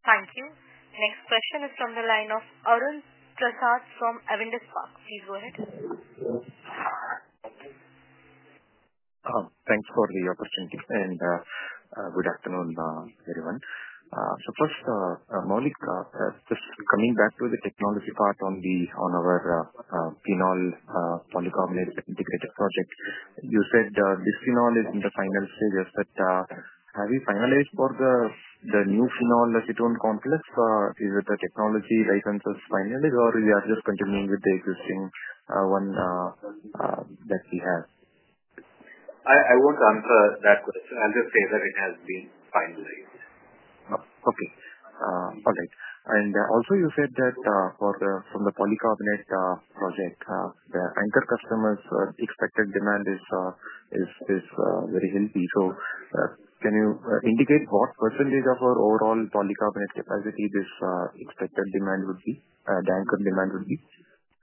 Thank you. Next question is from the line of Arun Prasad from Avendus Spark. Please go ahead. Thanks for the opportunity and good afternoon, everyone. First, Maulik, just coming back to the technology part on our phenol polycarbonate integrated project. You said this phenol is in the final stages. Have you finalized for the new phenol acetone complex? Is it the technology licenses finalized, or are we just continuing with the existing one that we have? I won't answer that question. I'll just say that it has been finalized. Okay. All right. Also, you said that from the polycarbonate project, the anchor customer's expected demand is very healthy. Can you indicate what percentage of our overall polycarbonate capacity this expected demand would be, the anchor demand would be?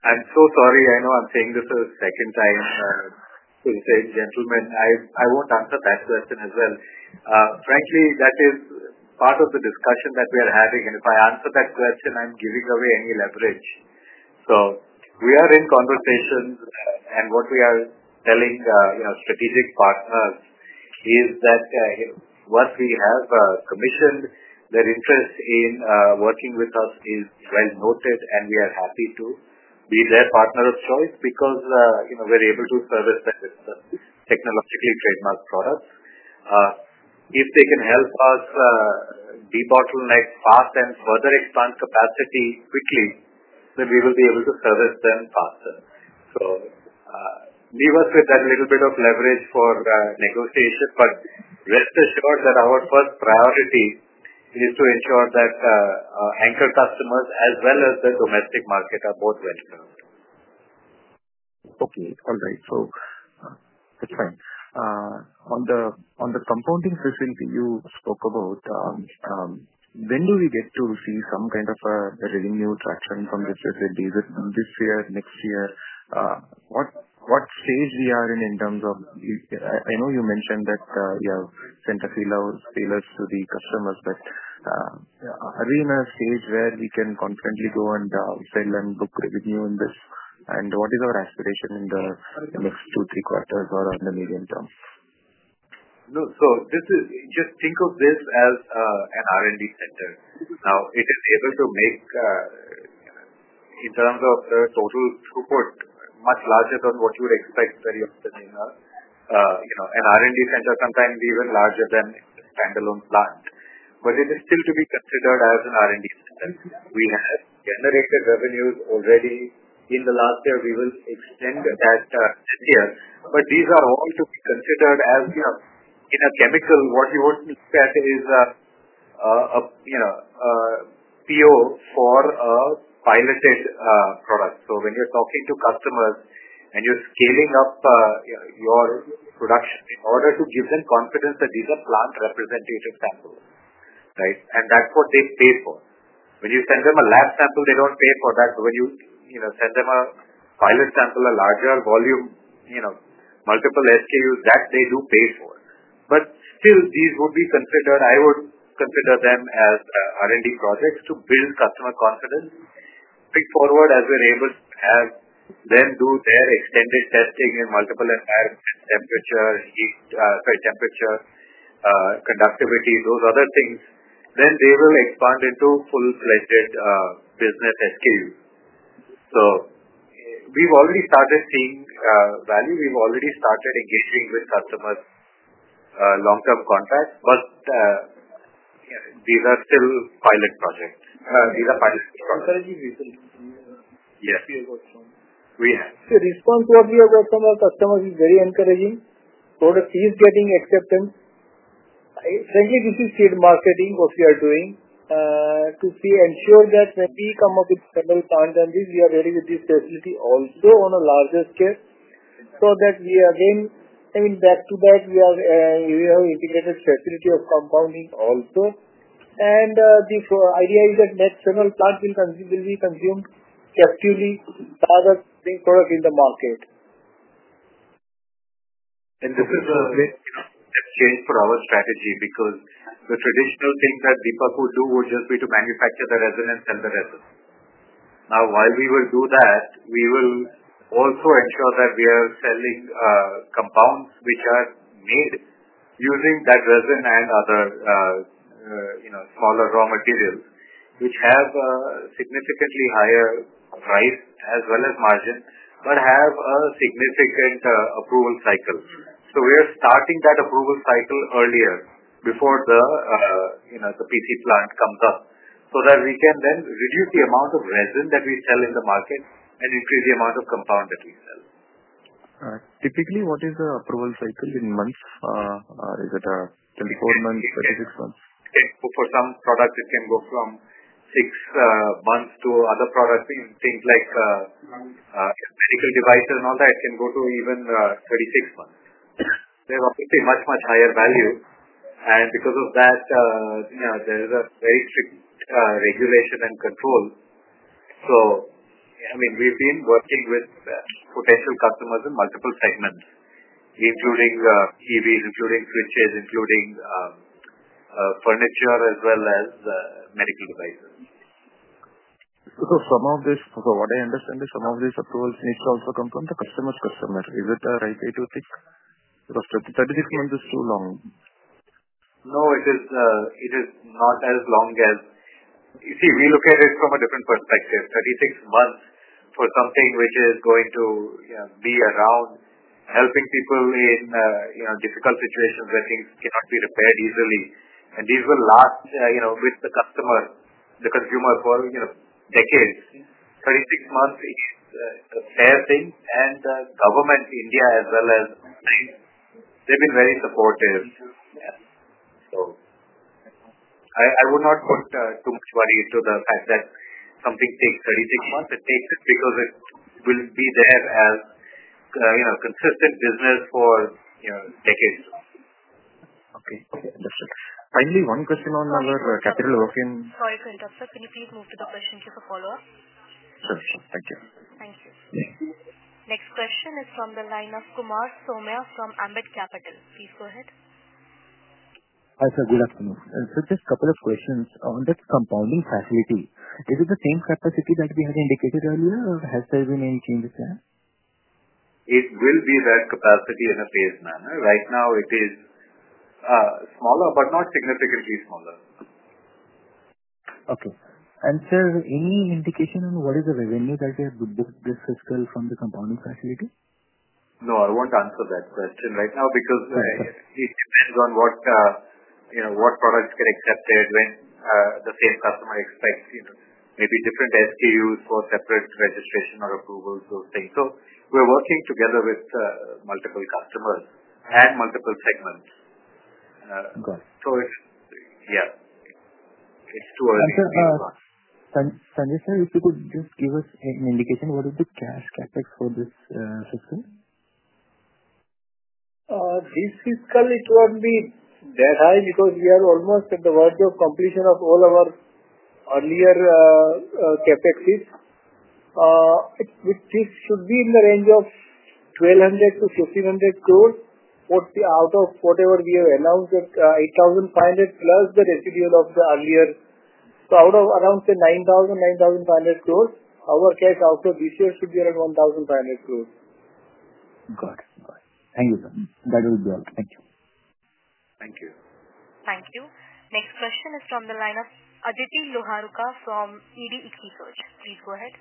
I'm so sorry. I know I'm saying this a second time. The same gentleman, I won't answer that question as well. Frankly, that is part of the discussion that we are having. If I answer that question, I'm giving away any leverage. We are in conversation, and what we are telling strategic partners is that once we have commissioned, their interest in working with us is well noted, and we are happy to be their partner of choice because we're able to service them with technologically trademarked products. If they can help us debottleneck fast and further expand capacity quickly, then we will be able to service them faster. We work with that little bit of leverage for negotiation. Rest assured that our first priority is to ensure that anchor customers as well as the domestic market are both well served. Okay. All right. So that's fine. On the compounding facility you spoke about, when do we get to see some kind of a revenue traction from this facility? Is it this year, next year? What stage are we in in terms of, I know you mentioned that you have sent a few loud sailors to the customers, but are we in a stage where we can confidently go and sell and book revenue in this? What is our aspiration in the next two, three quarters or on the medium term? No. Just think of this as an R&D center. Now, it is able to make in terms of total throughput much larger than what you would expect very often in an R&D center, sometimes even larger than a standalone plant. It is still to be considered as an R&D center. We have generated revenues already in the last year. We will extend that this year. These are all to be considered as, in a chemical, what you would look at is a PO for a piloted product. When you are talking to customers and you are scaling up your production in order to give them confidence that these are plant representative samples, right? That is what they pay for. When you send them a lab sample, they do not pay for that. When you send them a pilot sample, a larger volume, multiple SKUs, that they do pay for. Still, these would be considered, I would consider them as R&D projects to build customer confidence. Pick forward as we're able to have them do their extended testing in multiple environments, temperature, heat, sorry, temperature, conductivity, those other things. They will expand into full-fledged business SKUs. We've already started seeing value. We've already started engaging with customers' long-term contracts. These are still pilot projects. These are pilot projects. Encouraging results. You have a few reports from. We have. The response what we have got from our customers is very encouraging. Product is getting acceptance. Frankly, this is seed marketing what we are doing to ensure that when we come up with phenol plant and this, we are ready with this facility also on a larger scale so that we are again, I mean, back to back, we have integrated facility of compounding also. The idea is that next phenol plant will be consumed captively rather than being product in the market. This is a change for our strategy because the traditional thing that Deepak would do would just be to manufacture the resin and sell the resin. Now, while we will do that, we will also ensure that we are selling compounds which are made using that resin and other smaller raw materials which have significantly higher price as well as margin but have a significant approval cycle. We are starting that approval cycle earlier before the PC plant comes up so that we can then reduce the amount of resin that we sell in the market and increase the amount of compound that we sell. Typically, what is the approval cycle in months? Is it 24 months, 36 months? For some products, it can go from 6 months to other products in things like medical devices and all that can go to even 36 months. They have obviously much, much higher value. Because of that, there is a very strict regulation and control. I mean, we've been working with potential customers in multiple segments, including EVs, including switches, including furniture, as well as medical devices. What I understand is some of these approvals need to also come from the customer's customer. Is it the right way to think? Because 36 months is too long. No, it is not as long as you see, we look at it from a different perspective. Thirty-six months for something which is going to be around helping people in difficult situations where things cannot be repaired easily. And these will last with the customer, the consumer for decades. Thirty-six months is a fair thing. And Government, India, as well as the state, they've been very supportive. So I would not put too much value into the fact that something takes thirty-six months. It takes it because it will be there as consistent business for decades to come. Okay. Okay. Understood. Finally, one question on our capital working. Sorry to interrupt. Can you please move to the question queue for follow-up? Sure. Sure. Thank you. Thank you. Next question is from the line of Kumar Somia from Ambit Capital. Please go ahead. Hi, sir. Good afternoon. Just a couple of questions on that compounding facility. Is it the same capacity that we had indicated earlier, or has there been any changes there? It will be that capacity in a phased manner. Right now, it is smaller but not significantly smaller. Okay. Sir, any indication on what is the revenue that they have booked this fiscal from the compounding facility? No, I won't answer that question right now because it depends on what products get accepted, when the same customer expects maybe different SKUs for separate registration or approvals, those things. We are working together with multiple customers and multiple segments. Yeah, it's too early to speak on. Sandeshwar, if you could just give us an indication, what is the cash CapEx for this fiscal? This fiscal, it won't be that high because we are almost at the verge of completion of all our earlier CapEx. This should be in the range of 1,200 crore-1,500 crore out of whatever we have announced, 8,500 plus the residual of the earlier. So out of around the 9,000 crore-9,500 crore, our cash output this year should be around 1,500 crore. Got it. All right. Thank you, sir. That will be all. Thank you. Thank you. Thank you. Next question is from the line of Ajithi Luharuka from EDIK Research. Please go ahead.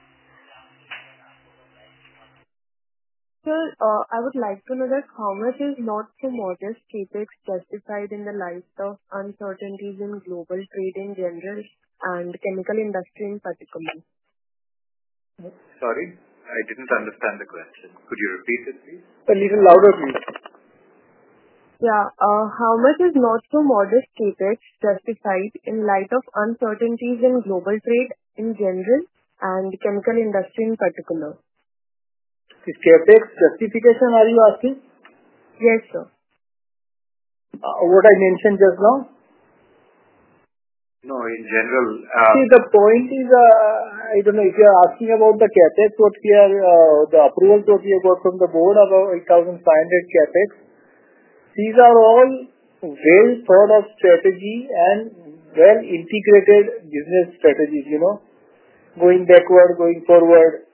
Sir, I would like to know that how much is not-for-modest CapEx justified in the light of uncertainties in global trade in general and chemical industry in particular? Sorry. I didn't understand the question. Could you repeat it, please? A little louder, please. Yeah. How much is not-for-modest CapEx justified in light of uncertainties in global trade in general and chemical industry in particular? The CapEx justification, are you asking? Yes, sir. What I mentioned just now? No, in general. See, the point is I don't know. If you're asking about the CapEx, what we are, the approvals what we have got from the board, about 8,500 CapEx, these are all well-thought-out strategy and well-integrated business strategies, going backward, going forward,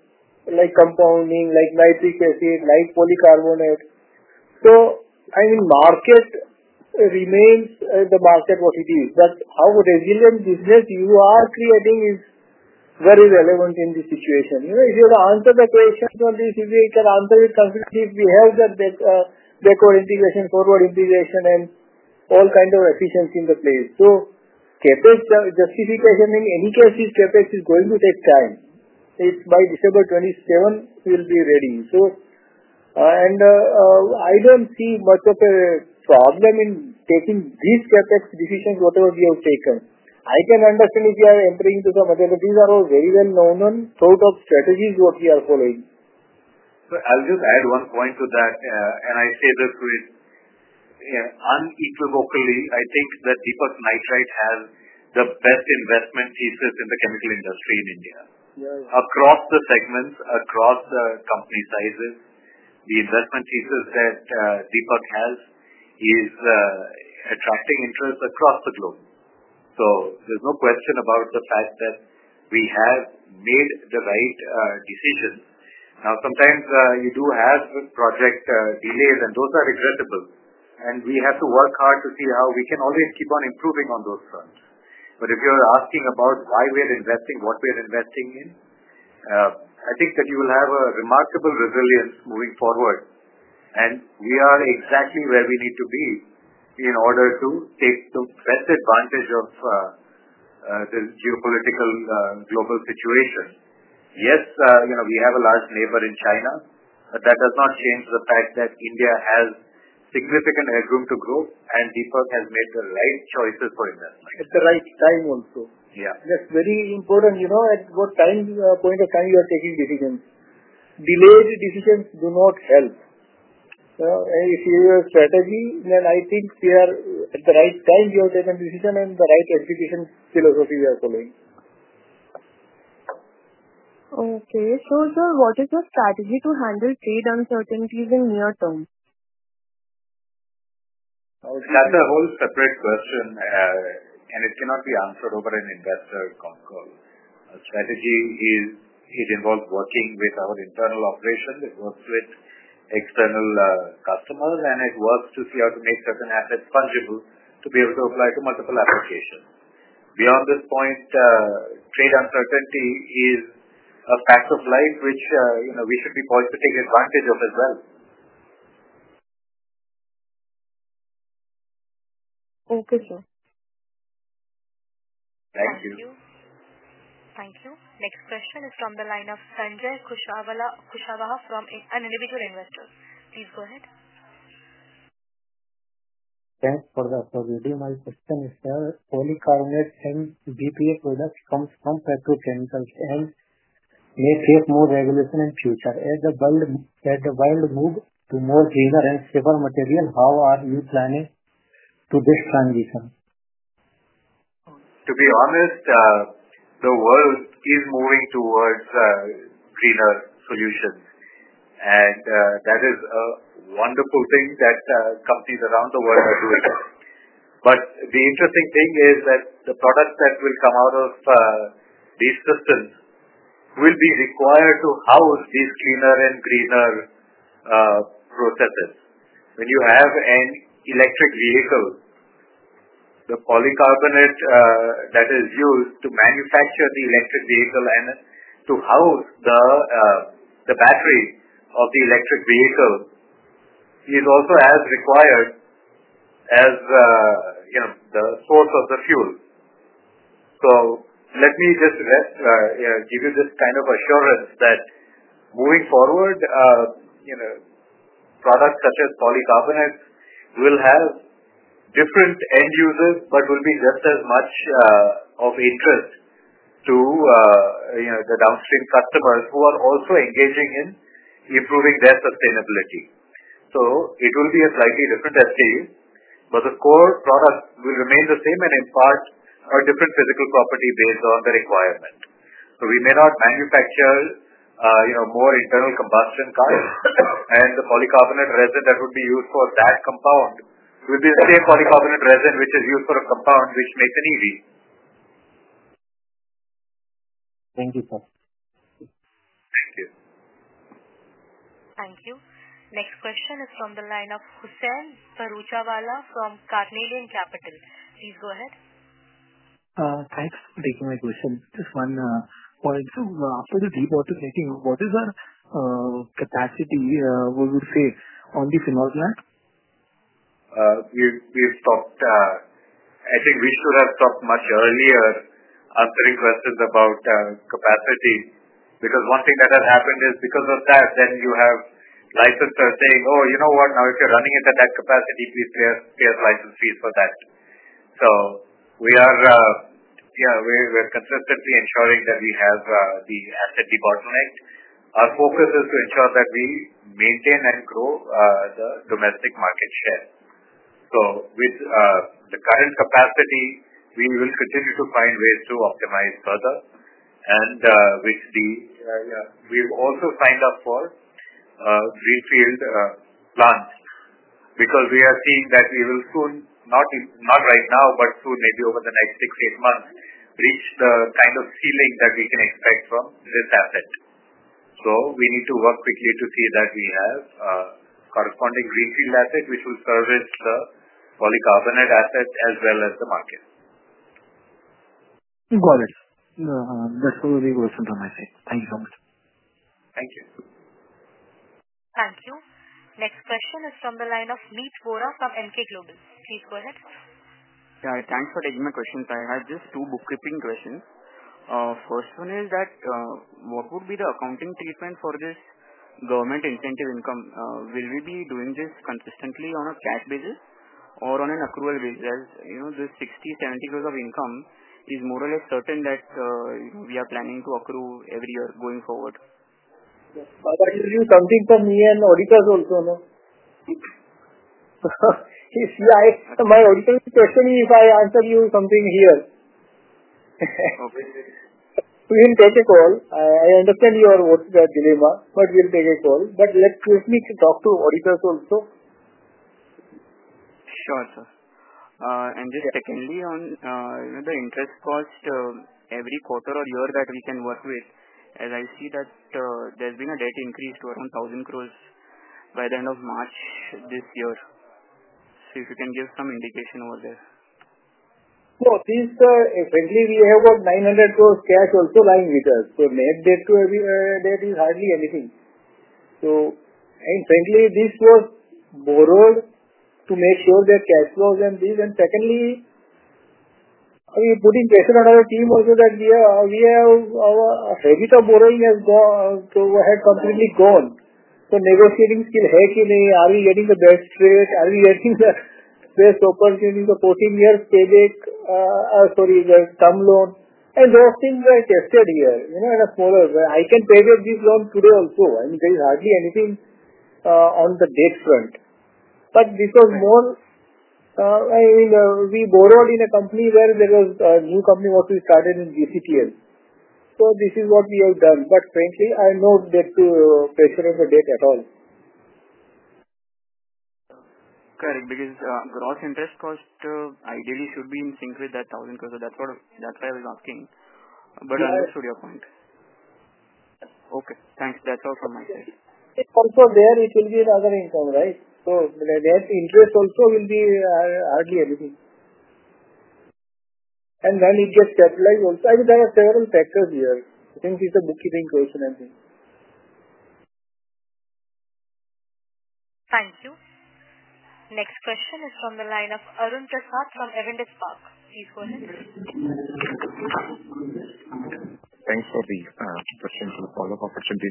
like compounding, like nitric acid, like polycarbonate. I mean, market remains the market what it is. However resilient business you are creating is very relevant in this situation. If you have to answer the question on this, if we can answer it confidently, we have that backward integration, forward integration, and all kinds of efficiency in the place. CapEx justification in any case, this CapEx is going to take time. By December 2027, we'll be ready. I don't see much of a problem in taking these CapEx decisions, whatever we have taken. I can understand if you are entering into some agenda. These are all very well known and thought-out strategies what we are following. I will just add one point to that. I say this unequivocally, I think that Deepak Nitrite has the best investment thesis in the chemical industry in India. Across the segments, across the company sizes, the investment thesis that Deepak has is attracting interest across the globe. There is no question about the fact that we have made the right decisions. Sometimes you do have project delays, and those are regrettable. We have to work hard to see how we can always keep on improving on those fronts. If you are asking about why we are investing, what we are investing in, I think that you will have a remarkable resilience moving forward. We are exactly where we need to be in order to take the best advantage of the geopolitical global situation. Yes, we have a large neighbor in China, but that does not change the fact that India has significant headroom to grow, and Deepak has made the right choices for investment. At the right time also. That is very important at what point of time you are taking decisions. Delayed decisions do not help. If you have a strategy, then I think we are at the right time you have taken a decision and the right execution philosophy we are following. Okay. So sir, what is your strategy to handle trade uncertainties in near term? That's a whole separate question, and it cannot be answered over an investor call. Strategy is it involves working with our internal operation. It works with external customers, and it works to see how to make certain assets fungible to be able to apply to multiple applications. Beyond this point, trade uncertainty is a fact of life which we should be poised to take advantage of as well. Okay, sir. Thank you. Thank you. Thank you. Next question is from the line of Sanjay Kushawala from an individual investor. Please go ahead. Thanks for the interview. My question is, sir, polycarbonate and BPA products come from petrochemicals and may face more regulation in the future. As the world moves to more greener and safer materials, how are you planning to this transition? To be honest, the world is moving towards greener solutions. That is a wonderful thing that companies around the world are doing. The interesting thing is that the products that will come out of these systems will be required to house these cleaner and greener processes. When you have an electric vehicle, the polycarbonate that is used to manufacture the electric vehicle and to house the battery of the electric vehicle is also as required as the source of the fuel. Let me just give you this kind of assurance that moving forward, products such as polycarbonates will have different end users, but will be just as much of interest to the downstream customers who are also engaging in improving their sustainability. It will be a slightly different SKU, but the core product will remain the same and impart a different physical property based on the requirement. We may not manufacture more internal combustion cars, and the polycarbonate resin that would be used for that compound will be the same polycarbonate resin which is used for a compound which makes an EV. Thank you, sir. Thank you. Thank you. Next question is from the line of Hussain Paruchawala from Carnelian Capital. Please go ahead. Thanks for taking my question. Just one point. After the debottlenecking, what is the capacity, what would you say, on the phenol plant? We've stopped. I think we should have stopped much earlier answering questions about capacity because one thing that has happened is because of that, then you have licensors saying, "Oh, you know what? Now, if you're running it at that capacity, please pay us license fees for that." Yeah, we're consistently ensuring that we have the asset debottlenecked. Our focus is to ensure that we maintain and grow the domestic market share. With the current capacity, we will continue to find ways to optimize further. We've also signed up for greenfield plants because we are seeing that we will soon, not right now, but soon, maybe over the next 6-8 months, reach the kind of ceiling that we can expect from this asset. We need to work quickly to see that we have corresponding greenfield asset which will service the polycarbonate asset as well as the market. Got it. That's all the questions on my side. Thank you so much. Thank you. Thank you. Next question is from the line of Meet Vora from MK Global. Please go ahead. Yeah. Thanks for taking my questions. I have just two bookkeeping questions. First one is that what would be the accounting treatment for this Government incentive income? Will we be doing this consistently on a cash basis or on an accrual basis? As the 600 million-700 million of income is more or less certain that we are planning to accrue every year going forward. Yes. I'll tell you something from me and auditors also. My auditor is questioning if I answer you something here. Okay. We will take a call. I understand you are mostly at dilemma, but we will take a call. Let me talk to auditors also. Sure, sir. Just secondly, on the interest cost every quarter or year that we can work with, as I see that there has been a debt increase to around 1,000 crore by the end of March this year. If you can give some indication over there. No, please. Frankly, we have about INR 900 crore cash also lying with us. So net debt to every debt is hardly anything. I mean, frankly, this was borrowed to make sure that cash flows and these. Secondly, we are putting pressure on our team also that we have our habit of borrowing has gone to go ahead completely gone. So negotiating skill, hey kidney, are we getting the best rate? Are we getting the best opportunity for 14 years payback? Sorry, the term loan. Those things are tested here in a smaller way. I can pay back this loan today also. I mean, there is hardly anything on the debt front. This was more, I mean, we borrowed in a company where there was a new company what we started in GCTS. This is what we have done. Frankly, I know there is no pressure on the debt at all. Correct, because gross interest cost ideally should be in sync with that 1,000 crore. That is why I was asking. I understood your point. Okay. Thanks. That is all from my side. It's also there. It will be another income, right? That interest also will be hardly anything. It gets capitalized also. I mean, there are several factors here. I think it's a bookkeeping question, I think. Thank you. Next question is from the line of Arun Prasath from Avendus Spark. Please go ahead. Thanks for the question to the follow-up opportunity.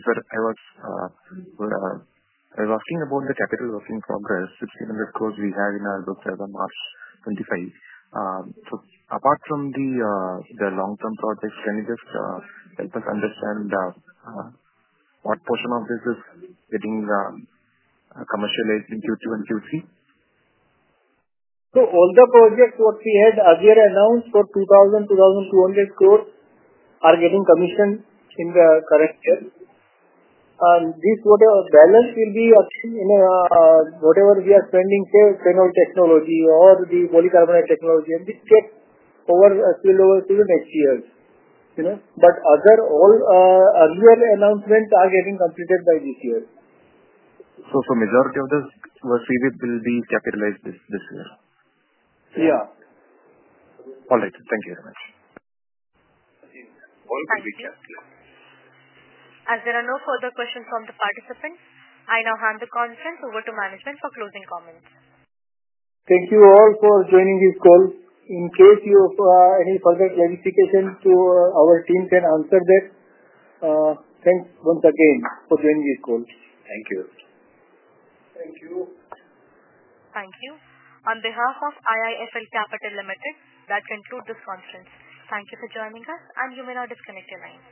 I was asking about the capital work in progress, INR 1,600 crore we have in our book for March 2025. Apart from the long-term projects, can you just help us understand what portion of this is getting commercialized in Q2 and Q3? All the projects what we had earlier announced for 2,000 crore-2,200 crore are getting commissioned in the current year. This whatever balance will be in whatever we are spending here, phenol technology or the polycarbonate technology, and this gets over spillover to the next years. Other all earlier announcements are getting completed by this year. Will the majority of those be capitalized this year? Yeah. All right. Thank you very much. All will be capitalized. As there are no further questions from the participants, I now hand the conference over to management for closing comments. Thank you all for joining this call. In case you have any further clarification, our team can answer that. Thanks once again for joining this call. Thank you. Thank you. Thank you. On behalf of IIFL Capital Limited, that concludes this conference. Thank you for joining us, and you may now disconnect your line.